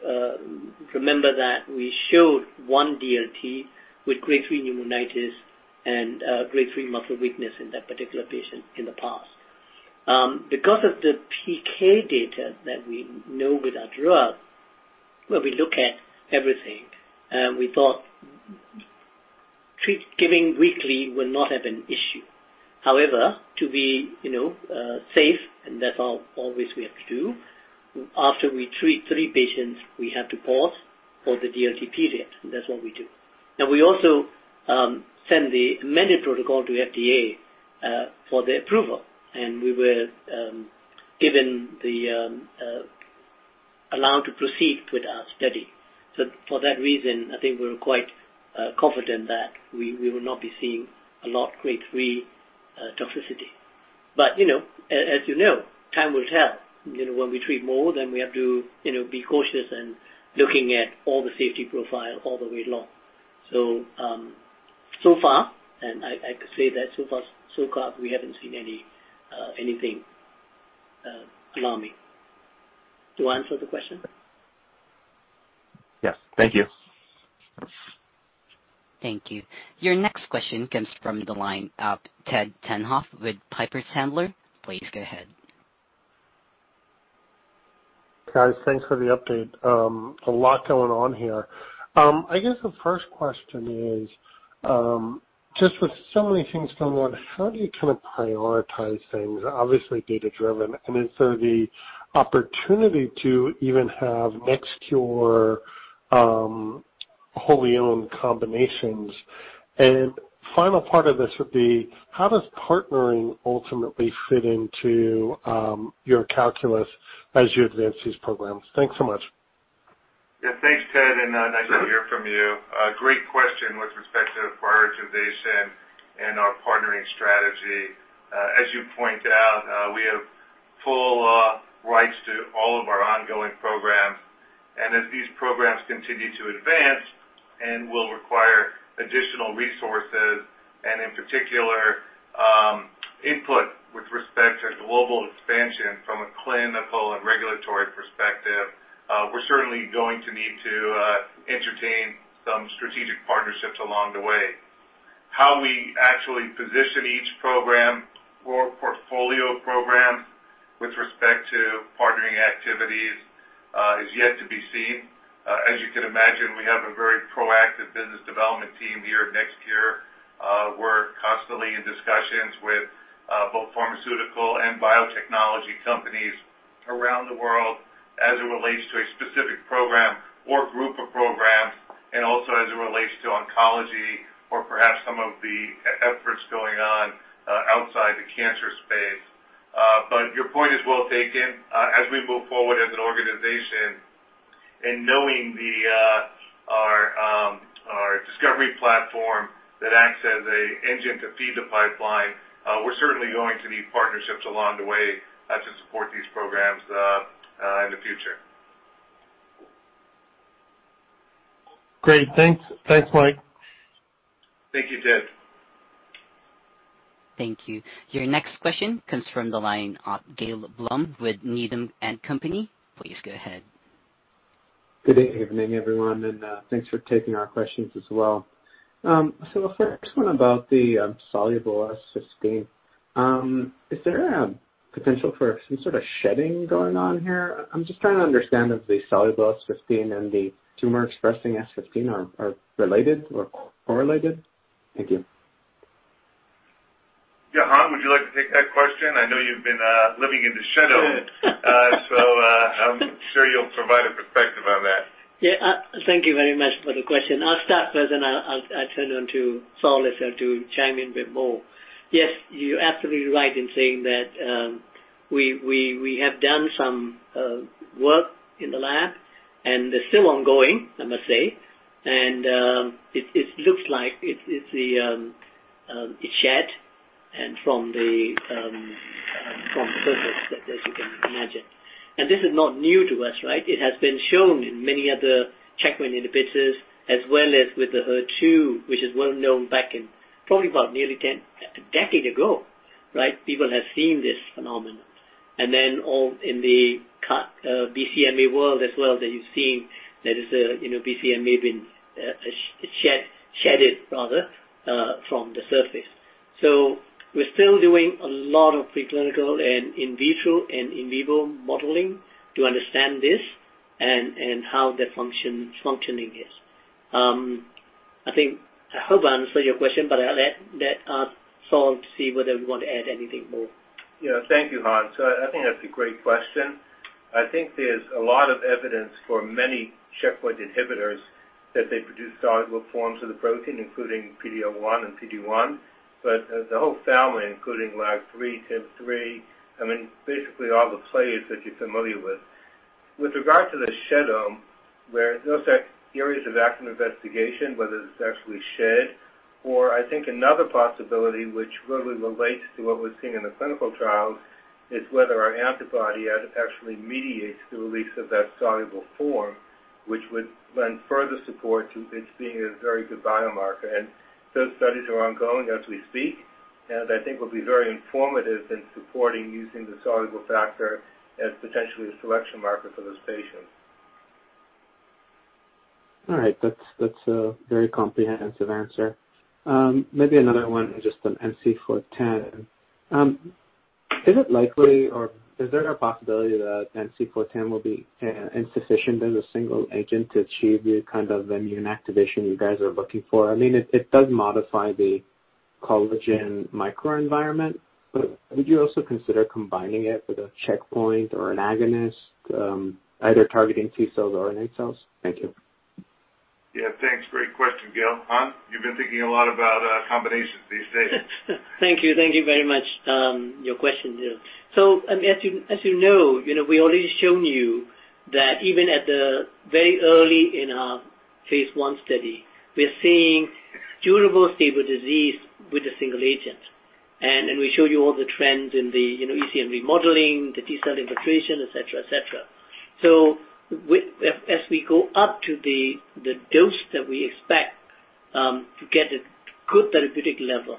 remember that we showed one DLT with Grade 3 pneumonitis and Grade 3 muscle weakness in that particular patient in the past. Because of the PK data that we know with our drug, when we look at everything, we thought that giving weekly will not have an issue. However, to be, you know, safe, and that's always we have to do, after we treat three patients, we have to pause for the DLT period. That's what we do. Now, we also sent the amended protocol to FDA for approval, and we were allowed to proceed with our study. For that reason, I think we're quite confident that we will not be seeing a lot Grade 3 toxicity. You know, as you know, time will tell. You know, when we treat more than we have to be cautious in looking at all the safety profile all the way along. So far, and I could say that so far so good, we haven't seen anything alarming. Do I answer the question? Yes. Thank you. Thank you. Your next question comes from the line of Ted Tenthoff with Piper Sandler. Please go ahead. Guys, thanks for the update. A lot going on here. I guess the first question is, just with so many things going on, how do you kind of prioritize things, obviously data driven? Is there the opportunity to even have NextCure, wholly owned combinations? Final part of this would be, how does partnering ultimately fit into, your calculus as you advance these programs? Thanks so much. Yeah, thanks, Ted, and nice to hear from you. A great question with respect to prioritization and our partnering strategy. As you point out, we have full rights to all of our ongoing programs. These programs continue to advance and will require additional resources, and in particular, input with respect to global expansion from a clinical and regulatory perspective, we're certainly going to need to entertain some strategic partnerships along the way. How we actually position each program or portfolio program with respect to partnering activities is yet to be seen. As you can imagine, we have a very proactive business development team here at NextCure. We're constantly in discussions with both pharmaceutical and biotechnology companies around the world as it relates to a specific program or group of programs, and also as it relates to oncology or perhaps some of the efforts going on outside the cancer space. Your point is well taken. As we move forward as an organization and knowing our discovery platform that acts as an engine to feed the pipeline, we're certainly going to need partnerships along the way to support these programs in the future. Great. Thanks. Thanks, Mike. Thank you, Ted. Thank you. Your next question comes from the line of Gil Blum with Needham & Company. Please go ahead. Good evening, everyone, and thanks for taking our questions as well. The first one about the soluble S15. Is there a potential for some sort of shedding going on here? I'm just trying to understand if the soluble S15 and the tumor expressing S15 are related or correlated. Thank you. Yeah. Han, would you like to take that question? I know you've been living in the shadow. So, I'm sure you'll provide a perspective on that. Yeah. Thank you very much for the question. I'll start first, and I'll turn over to Sol to chime in a bit more. Yes, you're absolutely right in saying that we have done some work in the lab and it's still ongoing, I must say. It looks like it's shed from the surface, as you can imagine. This is not new to us, right? It has been shown in many other checkpoint inhibitors, as well as with the HER2, which is well known back in probably about nearly a decade ago, right? People have seen this phenomenon. Then all in the CAR-T BCMA world as well, that you've seen that BCMA has been shed, rather, from the surface. We're still doing a lot of preclinical and in vitro and in vivo modeling to understand this and how the function's functioning is. I think, I hope I answered your question, but I'll let Sol see whether we want to add anything more. Yeah. Thank you, Han. I think that's a great question. I think there's a lot of evidence for many checkpoint inhibitors that they produce soluble forms of the protein, including PD-L1 and PD-1. The whole family, including LAG-3, TIM-3, I mean, basically all the plays that you're familiar with. With regard to the shedome, where those are areas of active investigation, whether it's actually shed or I think another possibility which really relates to what we're seeing in the clinical trials, is whether our antibody actually mediates the release of that soluble form, which would lend further support to it being a very good biomarker. Those studies are ongoing as we speak, and I think will be very informative in supporting using the soluble factor as potentially a selection marker for those patients. All right. That's a very comprehensive answer. Maybe another one just on NC410. Is it likely or is there a possibility that NC410 will be insufficient as a single agent to achieve the kind of immune activation you guys are looking for? I mean it does modify the collagen microenvironment, but would you also consider combining it with a checkpoint or an agonist, either targeting T cells or NK cells? Thank you. Yeah, thanks. Great question, Gil. Han, you've been thinking a lot about combinations these days. Thank you. Thank you very much, your question, Gil. As you know, you know, we already shown you that even at the very early in our phase I study, we're seeing durable stable disease with a single agent. We show you all the trends in the, you know, ECM remodeling, the T cell infiltration, et cetera. As we go up to the dose that we expect to get a good therapeutic level,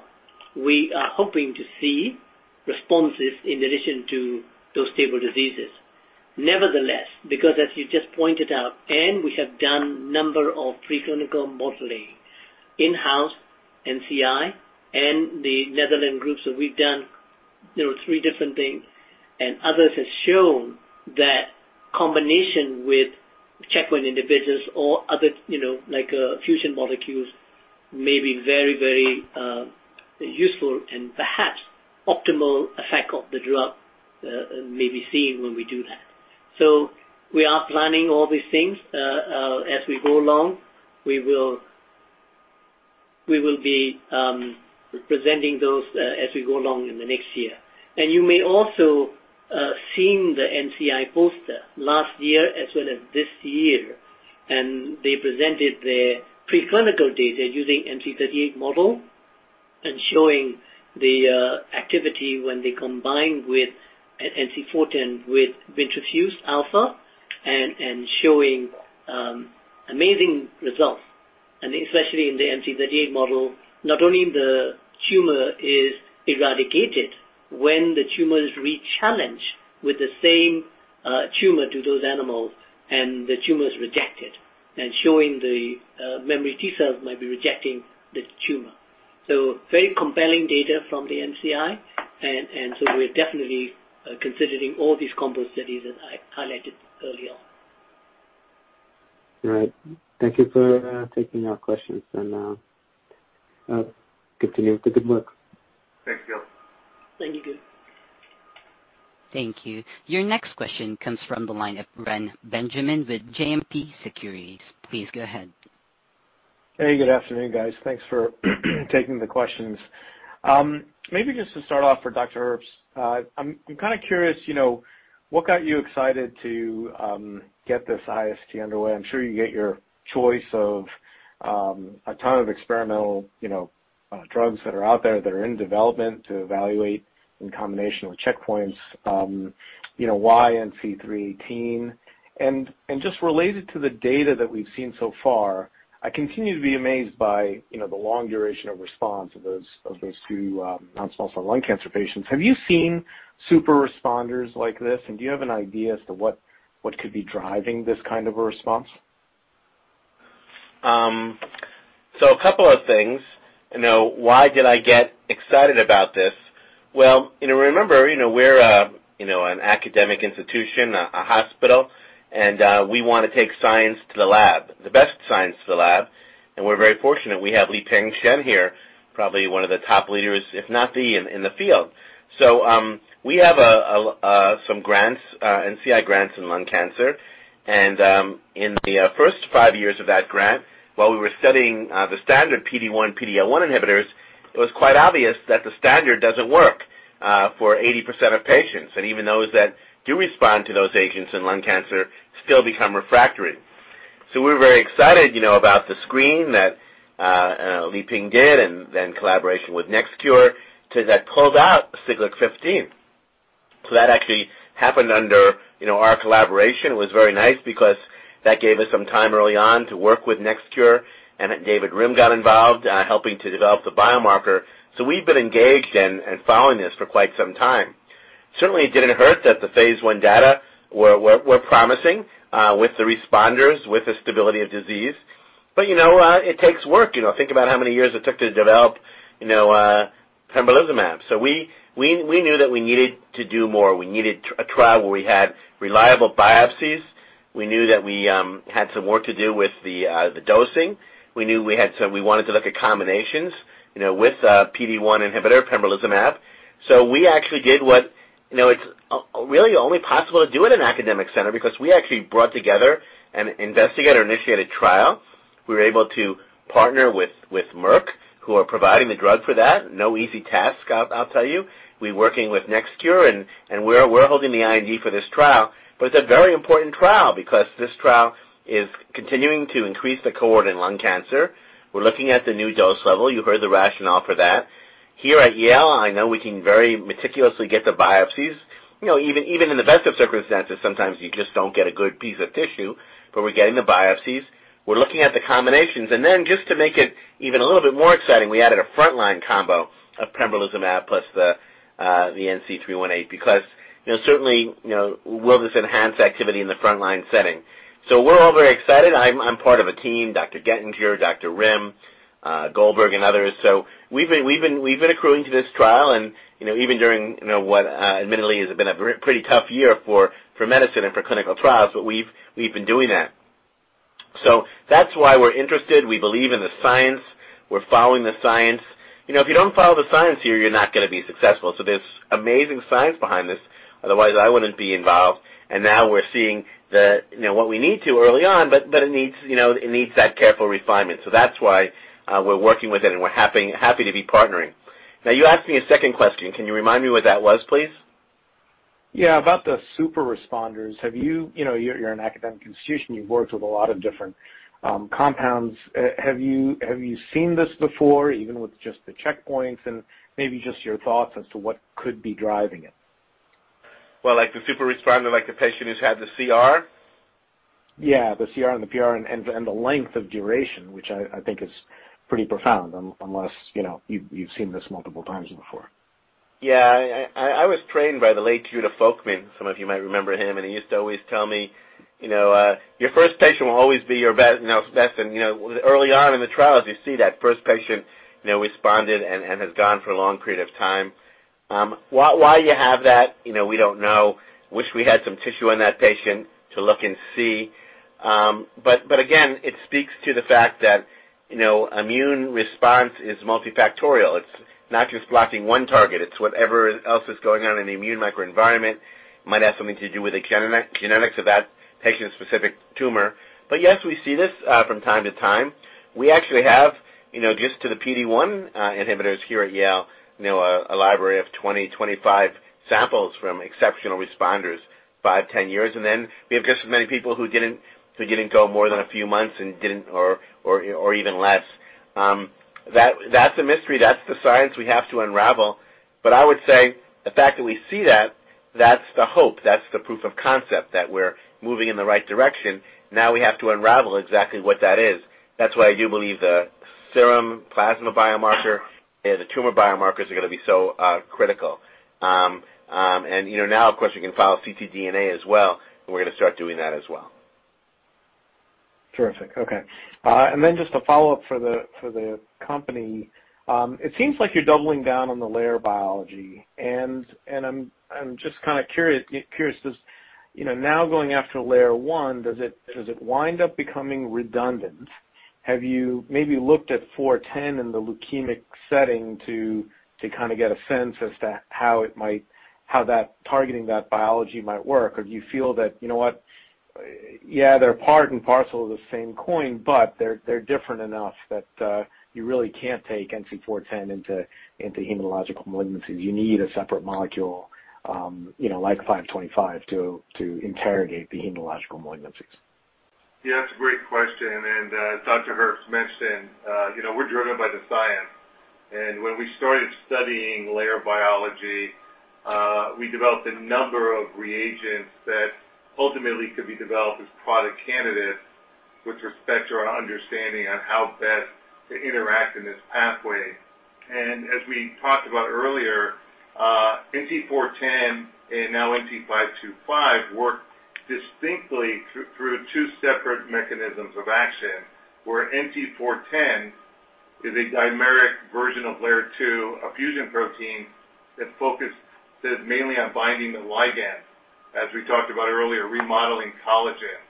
we are hoping to see responses in addition to those stable diseases. Nevertheless, because as you just pointed out, and we have done number of preclinical modeling in-house, NCI and the Netherlands groups, so we've done, you know, three different things, and others have shown that combination with checkpoint inhibitors or other, you know, like, fusion molecules may be very useful and perhaps optimal effect of the drug may be seen when we do that. We are planning all these things. As we go along, we will be presenting those as we go along in the next year. You may also have seen the NCI poster last year as well as this year, and they presented their preclinical data using NC318 model and showing the activity when they combine with NC410 and with interferon alfa and showing amazing results. Especially in the NC318 model, not only the tumor is eradicated when the tumor is rechallenged with the same tumor to those animals and the tumor is rejected and showing the memory T cell might be rejecting the tumor. Very compelling data from the NCI. We're definitely considering all these combo studies that I highlighted earlier. All right. Thank you for taking our questions and continue with the good work. Thanks, Gil. Thank you, Gil. Thank you. Your next question comes from the line of Reni Benjamin with JMP Securities. Please go ahead. Hey, good afternoon, guys. Thanks for taking the questions. Maybe just to start off for Dr. Herbst. I'm kinda curious, you know, what got you excited to get this IST underway. I'm sure you get your choice of a ton of experimental, you know, drugs that are out there that are in development to evaluate in combination with checkpoints, you know, why NC318? And just related to the data that we've seen so far, I continue to be amazed by, you know, the long duration of response of those two non-small cell lung cancer patients. Have you seen super responders like this? And do you have an idea as to what could be driving this kind of a response? A couple of things. You know, why did I get excited about this? Well, you know, remember, you know, we're you know an academic institution, a hospital, and we wanna take science to the lab, the best science to the lab, and we're very fortunate we have Lieping Chen here, probably one of the top leaders, if not the one in the field. We have some grants, NCI grants in lung cancer. In the first five years of that grant, while we were studying the standard PD-1, PD-L1 inhibitors, it was quite obvious that the standard doesn't work for 80% of patients. Even those that do respond to those agents in lung cancer still become refractory. We're very excited, you know, about the screen that Lieping did and then collaboration with NextCure to close out Siglec-15. That actually happened under, you know, our collaboration. It was very nice because that gave us some time early on to work with NextCure, and David Rimm got involved, helping to develop the biomarker. We've been engaged and following this for quite some time. Certainly, it didn't hurt that the phase I data were promising, with the responders, with the stable disease. You know, it takes work. You know, think about how many years it took to develop, you know, pembrolizumab. We knew that we needed to do more. We needed a trial where we had reliable biopsies. We knew that we had some work to do with the dosing. We knew we had some. We wanted to look at combinations, you know, with PD-1 inhibitor pembrolizumab. We actually did what it's really only possible to do at an academic center because we actually brought together an investigator-initiated trial. We were able to partner with Merck, who are providing the drug for that. No easy task, I'll tell you. We're working with NextCure, and we're holding the IND for this trial. It's a very important trial because this trial is continuing to increase the cohort in lung cancer. We're looking at the new dose level. You heard the rationale for that. Here at Yale, I know we can very meticulously get the biopsies. You know, even in the best of circumstances, sometimes you just don't get a good piece of tissue, but we're getting the biopsies. We're looking at the combinations. Then just to make it even a little bit more exciting, we added a frontline combo of pembrolizumab plus the NC318 because, you know, certainly, you know, will this enhance activity in the frontline setting? We're all very excited. I'm part of a team, Dr. Gettinger, Dr. Rimm, Goldberg and others. We've been accruing to this trial and, you know, even during, you know, what admittedly has been a very tough year for medicine and for clinical trials, but we've been doing that. That's why we're interested. We believe in the science. We're following the science. You know, if you don't follow the science here, you're not gonna be successful. There's amazing science behind this. Otherwise, I wouldn't be involved. Now we're seeing the You know, what we need to do early on, but it needs, you know, it needs that careful refinement. That's why we're working with it, and we're happy to be partnering. Now, you asked me a second question. Can you remind me what that was, please? Yeah. About the super responders. You know, you're an academic institution. You've worked with a lot of different compounds. Have you seen this before, even with just the checkpoints and maybe just your thoughts as to what could be driving it? Well, like the super responder, like the patient who's had the CR? Yeah, the CR and the PR and the length of duration, which I think is pretty profound unless, you know, you've seen this multiple times before. Yeah. I was trained by the late Judah Folkman. Some of you might remember him, and he used to always tell me, you know, "Your first patient will always be your best, you know, best." You know, early on in the trials, you see that first patient, you know, responded and has gone for a long period of time. Why you have that, you know, we don't know. Wish we had some tissue on that patient to look and see. But again, it speaks to the fact that, you know, immune response is multifactorial. It's not just blocking one target. It's whatever else is going on in the immune microenvironment. Might have something to do with the genetics of that patient-specific tumor. Yes, we see this from time to time. We actually have, you know, just to the PD-1 inhibitors here at Yale, you know, a library of 25 samples from exceptional responders, five, 10 years. Then we have just as many people who didn't. They didn't go more than a few months and didn't or even less. That's a mystery. That's the science we have to unravel. I would say the fact that we see that's the hope, that's the proof of concept that we're moving in the right direction. Now we have to unravel exactly what that is. That's why I do believe the serum plasma biomarker and the tumor biomarkers are gonna be so critical. You know, now, of course, we can follow ctDNA as well, and we're gonna start doing that as well. Terrific. Okay. Just a follow-up for the company. It seems like you're doubling down on the LAIR biology, and I'm just kinda curious. Does, you know, now going after LAIR-1, does it wind up becoming redundant? Have you maybe looked at NC410 in the leukemic setting to kinda get a sense as to how that targeting that biology might work? Or do you feel that, you know what, yeah, they're part and parcel of the same coin, but they're different enough that you really can't take NC410 into hematological malignancies. You need a separate molecule, you know, like NC525 to interrogate the hematological malignancies. Yeah, that's a great question. Dr. Herbst mentioned, you know, we're driven by the science. When we started studying LAIR biology, we developed a number of reagents that ultimately could be developed as product candidates with respect to our understanding on how best to interact in this pathway. As we talked about earlier, NC410 and now NC525 work distinctly through two separate mechanisms of action, where NC410 is a dimeric version of LAIR-2, a fusion protein that focuses mainly on binding the ligand, as we talked about earlier, remodeling collagen.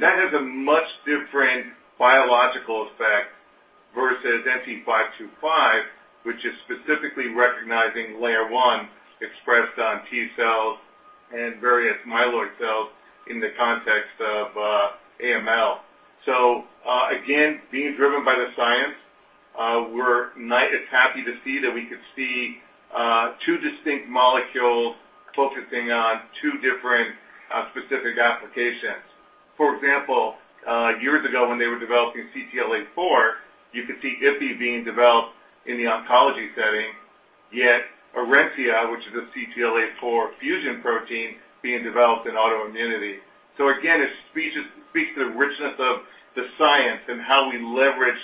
That has a much different biological effect versus NC525, which is specifically recognizing LAIR-1 expressed on T cells and various myeloid cells in the context of AML. Again, being driven by the science, we're happy to see that we could see two distinct molecules focusing on two different specific applications. For example, years ago when they were developing CTLA-4, you could see Ipi being developed in the oncology setting, yet Orencia, which is a CTLA-4 fusion protein, being developed in autoimmunity. Again, it speaks to the richness of the science and how we leverage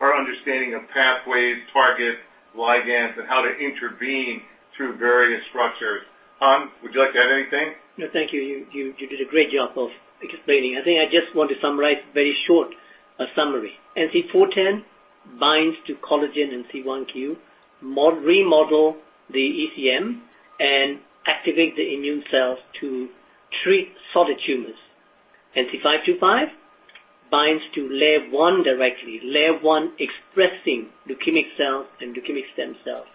our understanding of pathways, targets, ligands, and how to intervene through various structures. Han, would you like to add anything? No, thank you. You did a great job of explaining. I think I just want to summarize very short, a summary. NC410 binds to collagen and C1q, remodel the ECM, and activate the immune cells to treat solid tumors. NC525 binds to LAIR-1 directly. LAIR-1 expressing leukemic cells and leukemic stem cells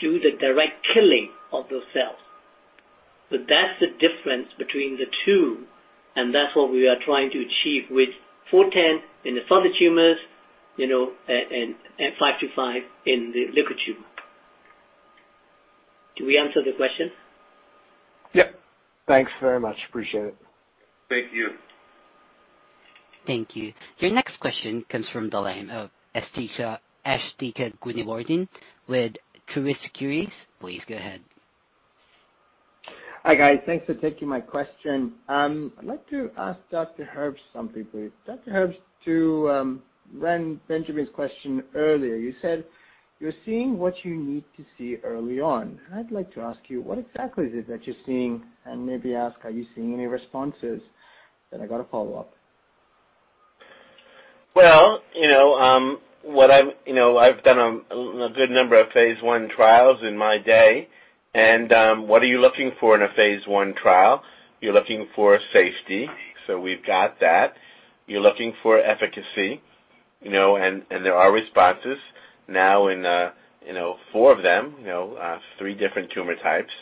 do the direct killing of those cells. That's the difference between the two, and that's what we are trying to achieve with NC410 in the solid tumors, you know, and NC525 in the liquid tumor. Did we answer the question? Yep. Thanks very much. Appreciate it. Thank you. Thank you. Your next question comes from the line of Asthika Goonewardene with Truist Securities. Please go ahead. Hi, guys. Thanks for taking my question. I'd like to ask Dr. Herbst something please. Dr. Herbst, to run Reni Benjamin's question earlier, you said you're seeing what you need to see early on. I'd like to ask you what exactly is it that you're seeing, and maybe ask, are you seeing any responses? I got a follow-up. Well, you know, You know, I've done a good number of phase I trials in my day. What are you looking for in a phase I trial? You're looking for safety, so we've got that. You're looking for efficacy, you know, and there are responses now in you know, four of them, you know, three different tumor types.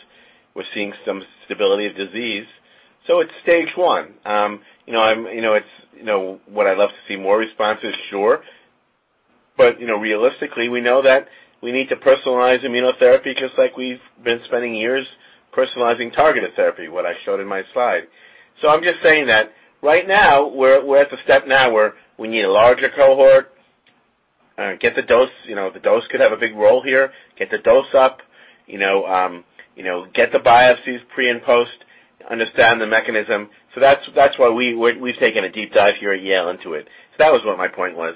We're seeing some stability of disease. It's phase I. You know, would I love to see more responses? Sure. You know, realistically, we know that we need to personalize immunotherapy just like we've been spending years personalizing targeted therapy, what I showed in my slide. I'm just saying that right now we're at the step now where we need a larger cohort. Get the dose, you know, the dose could have a big role here. Get the dose up, you know, get the biopsies pre and post, understand the mechanism. That's why we've taken a deep dive here at Yale into it. That was what my point was.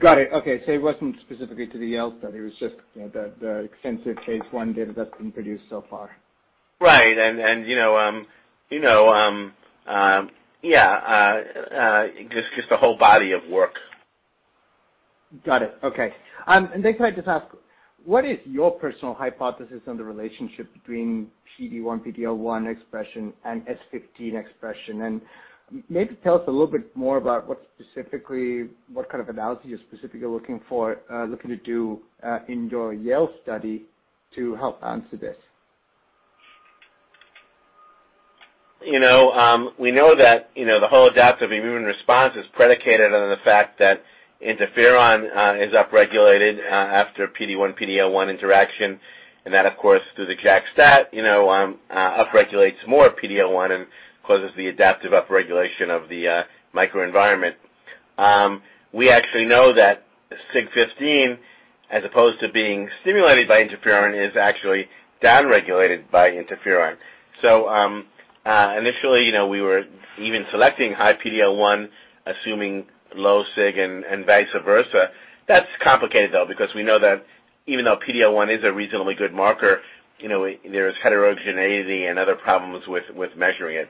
Got it. Okay. It wasn't specifically to the Yale study. It was just, you know, the extensive phase I data that's been produced so far. Right. You know, yeah, just the whole body of work. Got it. Okay. Next, can I just ask, what is your personal hypothesis on the relationship between PD-1, PD-L1 expression and S15 expression? Maybe tell us a little bit more about what kind of analysis you're specifically looking to do in your Yale study to help answer this. You know, we know that, you know, the whole adaptive immune response is predicated on the fact that interferon is upregulated after PD-1, PD-L1 interaction, and that of course through the JAK-STAT, you know, upregulates more PD-L1 and causes the adaptive upregulation of the microenvironment. We actually know that Siglec-15, as opposed to being stimulated by interferon, is actually downregulated by interferon. Initially, you know, we were even selecting high PD-L1, assuming low Siglec-15 and vice versa. That's complicated though, because we know that even though PD-L1 is a reasonably good marker, you know, there is heterogeneity and other problems with measuring it.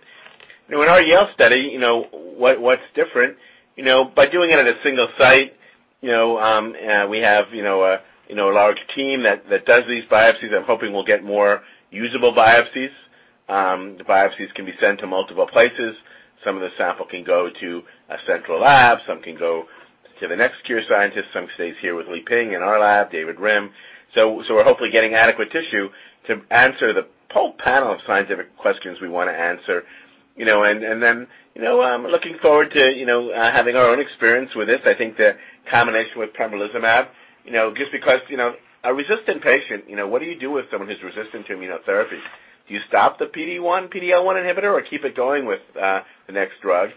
In our Yale study, you know, what's different, you know, by doing it at a single site, you know, we have, you know, a large team that does these biopsies. I'm hoping we'll get more usable biopsies. The biopsies can be sent to multiple places. Some of the sample can go to a central lab, some can go to the NextCure scientist, some stays here with Lieping in our lab, David Rimm. We're hopefully getting adequate tissue to answer the whole panel of scientific questions we wanna answer. You know, then, you know, I'm looking forward to, you know, having our own experience with this. I think the combination with pembrolizumab, you know, just because, you know, a resistant patient, you know, what do you do with someone who's resistant to immunotherapy? Do you stop the PD-1, PD-L1 inhibitor or keep it going with the next drug?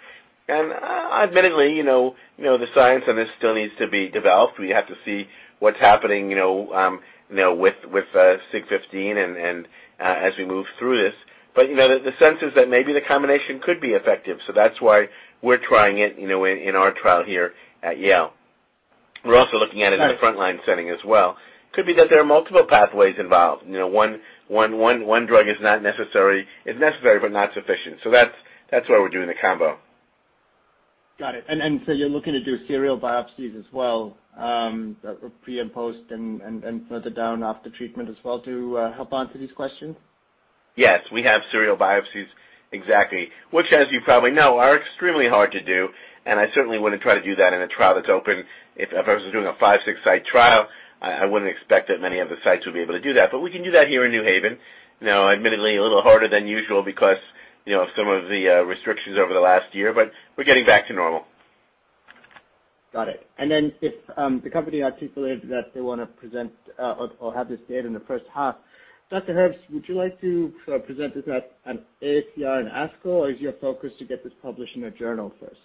Admittedly, you know, the science on this still needs to be developed. We have to see what's happening, you know, with Sig 15 and as we move through this. You know, the sense is that maybe the combination could be effective, so that's why we're trying it, you know, in our trial here at Yale. We're also looking at it in a frontline setting as well. Could be that there are multiple pathways involved. You know, one drug is not necessary. It's necessary, but not sufficient. That's why we're doing the combo. Got it. You're looking to do serial biopsies as well, pre and post and further down off the treatment as well to help answer these questions? Yes, we have serial biopsies, exactly. Which as you probably know, are extremely hard to do, and I certainly wouldn't try to do that in a trial that's open. If a person's doing a five, six site trial, I wouldn't expect that many of the sites would be able to do that. But we can do that here in New Haven. You know, admittedly a little harder than usual because, you know, some of the restrictions over the last year, but we're getting back to normal. Got it. If the company articulated that they wanna present or have this data in the first half, Dr. Herbst, would you like to present this at an AACR and ASCO, or is your focus to get this published in a journal first?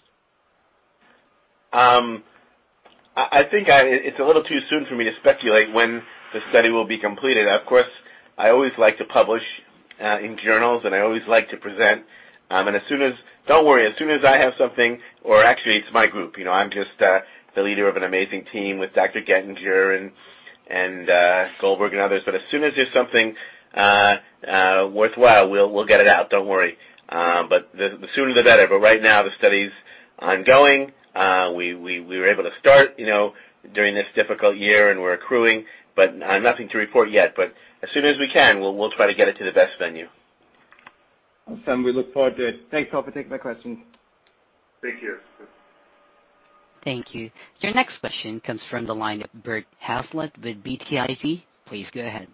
I think it's a little too soon for me to speculate when the study will be completed. Of course, I always like to publish in journals, and I always like to present. Don't worry, as soon as I have something or actually it's my group. You know, I'm just the leader of an amazing team with Dr. Gettinger and Goldberg and others. As soon as there's something worthwhile, we'll get it out. Don't worry. The sooner the better. Right now the study's ongoing. We were able to start, you know, during this difficult year and we're accruing, but nothing to report yet. As soon as we can, we'll try to get it to the best venue. Awesome. We look forward to it. Thanks a lot for taking my questions. Thank you. Thank you. Your next question comes from the line of Bert Hazlett with BTIG. Please go ahead.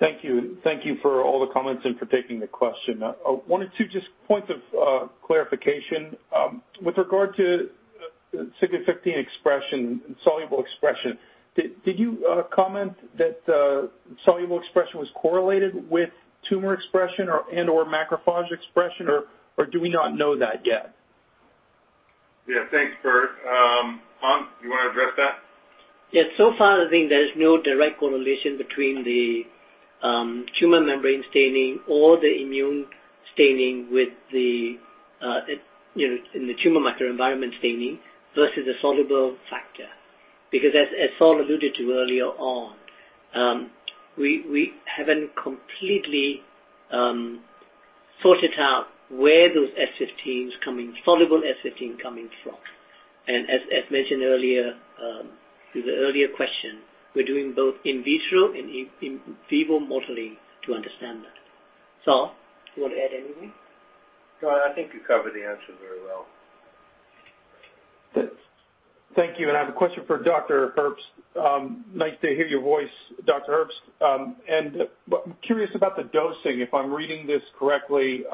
Thank you. Thank you for all the comments and for taking the question. One or two just points of clarification. With regard to Siglec-15 expression, soluble expression, did you comment that soluble expression was correlated with tumor expression or and/or macrophage expression, or do we not know that yet? Yeah, thanks, Bert. Han, you wanna address that? Yes. I think there is no direct correlation between the tumor membrane staining or the immune staining with the you know in the tumor microenvironment staining versus the soluble factor. Because as Sol alluded to earlier on, we haven't completely sorted it out where those S15s coming, soluble S15 coming from. As mentioned earlier to the earlier question, we're doing both in vitro and in vivo modeling to understand that. Sol, you want to add anything? No, I think you covered the answer very well. Thank you. I have a question for Dr. Herbst. Nice to hear your voice, Dr. Herbst. I'm curious about the dosing, if I'm reading this correctly,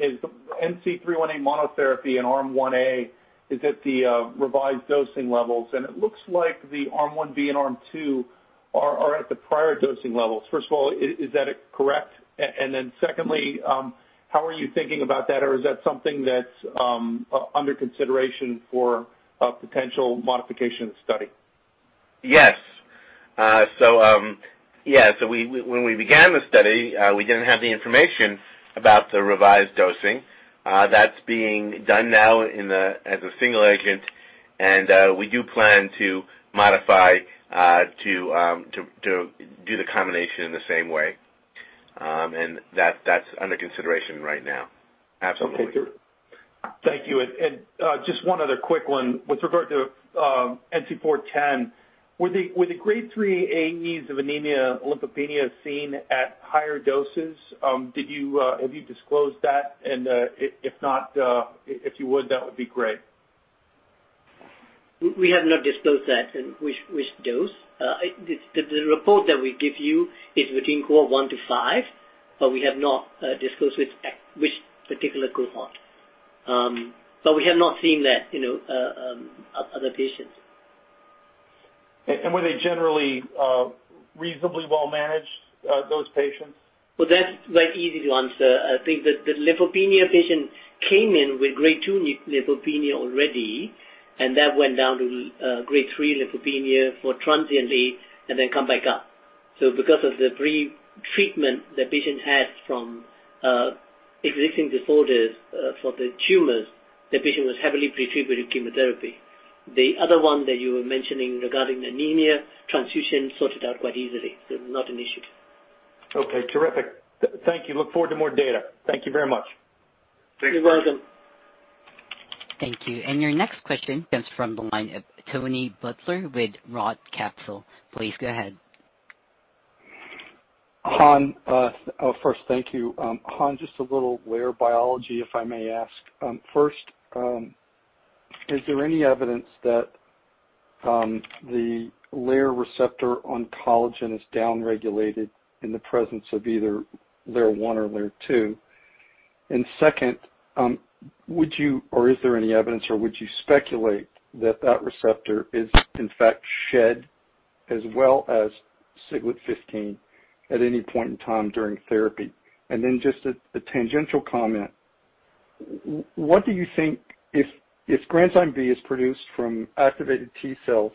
is NC318 monotherapy in Arm 1A, is it the revised dosing levels? It looks like the Arm 1B and Arm 2 are at the prior dosing levels. First of all, is that correct? Then secondly, how are you thinking about that? Or is that something that's under consideration for a potential modification of the study? Yes. We, when we began the study, we didn't have the information about the revised dosing. That's being done now in the, as a single agent. We do plan to modify to do the combination in the same way. That's under consideration right now. Absolutely. Okay. Thank you. Just one other quick one. With regard to NC410, were the Grade 3 AEs of anemia lymphopenia seen at higher doses? Have you disclosed that? If not, if you would, that would be great. We have not disclosed that and which dose. The report that we give you is between cohort one to five, but we have not disclosed which particular cohort. We have not seen that, you know, other patients. Were they generally, reasonably well managed, those patients? Well, that's very easy to answer. I think that the lymphopenia patient came in with Grade 2 lymphopenia already, and that went down to Grade 3 lymphopenia transiently and then come back up. Because of the pre-treatment the patient had from existing disorders for the tumors, the patient was heavily pre-treated with chemotherapy. The other one that you were mentioning regarding anemia transfusion sorted out quite easily. It was not an issue. Okay, terrific. Thank you. I look forward to more data. Thank you very much. Thanks. You're welcome. Thank you. Your next question comes from the line of Tony Butler with ROTH Capital. Please go ahead. Han, first, thank you. Han, just a little LAIR biology, if I may ask. First, is there any evidence that the LAIR receptor on collagen is downregulated in the presence of either LAIR-1 or LAIR-2? And second, would you or is there any evidence or would you speculate that that receptor is in fact shed as well as Siglec-15 at any point in time during therapy? And then just a tangential comment. What do you think if Granzyme B is produced from activated T cells?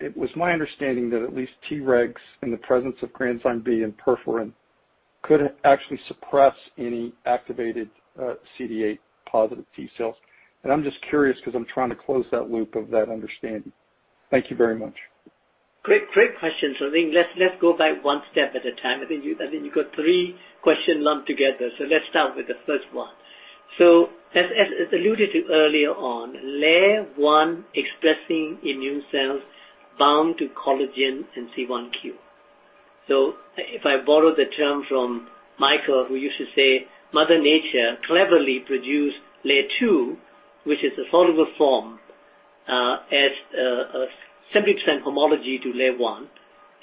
It was my understanding that at least Tregs in the presence of Granzyme B and perforin could actually suppress any activated CD8+ T cells. And I'm just curious because I'm trying to close that loop of that understanding. Thank you very much. Great question. I think let's go back one step at a time. I think you got three questions lumped together. Let's start with the first one. As alluded to earlier on, LAIR-1 expressing immune cells bound to collagen and C1q. If I borrow the term from Michael, who used to say Mother Nature cleverly produced LAIR-2, which is a soluble form, as a percent homology to LAIR-1,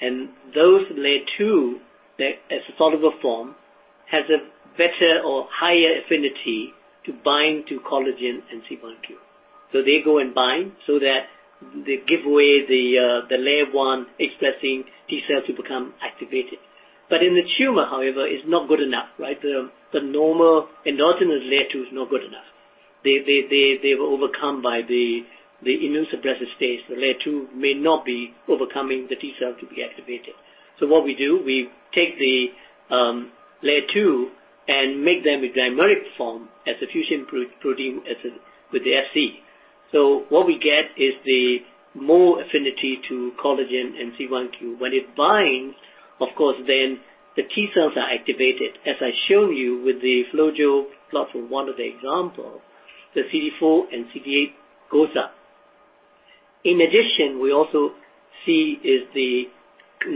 and those LAIR-2 that as a soluble form has a better or higher affinity to bind to collagen and C1q. They go and bind so that they give away the LAIR-1 expressing T cells to become activated. In the tumor, however, is not good enough, right? The normal endogenous LAIR-2 is not good enough. They were overcome by the immune suppressor states. The LAIR-2 may not be overcoming the T cell to be activated. What we do, we take the LAIR-2 and make them a dimeric form as a fusion pro-protein with the Fc. What we get is more affinity to collagen and C1q. When it binds, of course, the T cells are activated. As I show you with the FlowJo plot for one of the example, the CD4 and CD8 goes up. In addition, we also see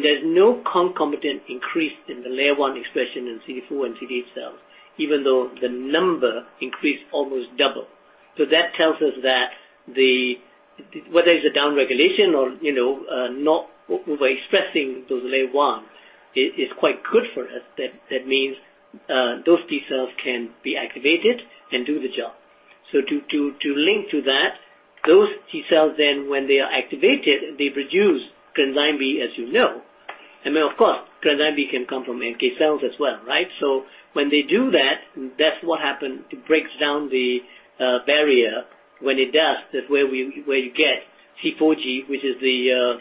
there's no concomitant increase in the LAIR-1 expression in CD4 and CD8 cells, even though the number increased almost double. That tells us that whether it's a downregulation or, you know, not overexpressing those LAIR-1 is quite good for us. That means those T cells can be activated and do the job. To link to that, those T cells then when they are activated, they produce Granzyme B, as you know. Then of course, Granzyme B can come from NK cells as well, right? When they do that's what happened. It breaks down the barrier. When it does, that's where you get C4G, which is the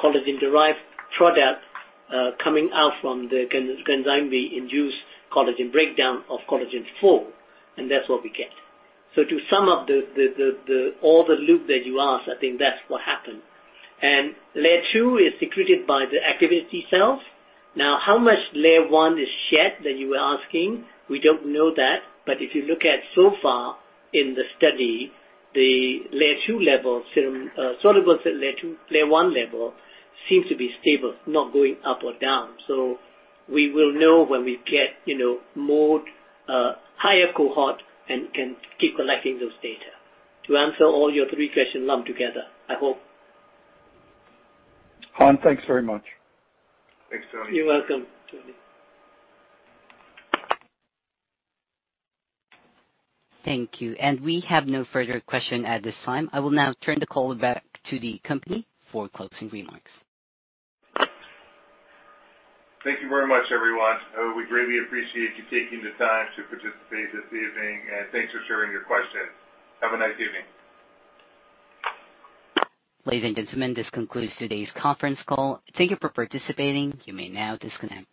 collagen-derived product coming out from the Granzyme B induced collagen breakdown of Collagen IV, and that's what we get. To sum up the loop that you ask, I think that's what happened. LAIR-2 is secreted by the activated T cells. Now, how much LAIR-1 is shed that you were asking? We don't know that. If you look at so far in the study, the LAIR-2 levels, soluble LAIR-2, LAIR-1 level seems to be stable, not going up or down. We will know when we get, you know, more, higher cohort and can keep collecting those data. To answer all your three questions lumped together, I hope. Han, thanks very much. Thanks, Tony. You're welcome, Tony. Thank you. We have no further question at this time. I will now turn the call back to the company for closing remarks. Thank you very much, everyone. We greatly appreciate you taking the time to participate this evening, and thanks for sharing your questions. Have a nice evening. Ladies and gentlemen, this concludes today's conference call. Thank you for participating. You may now disconnect.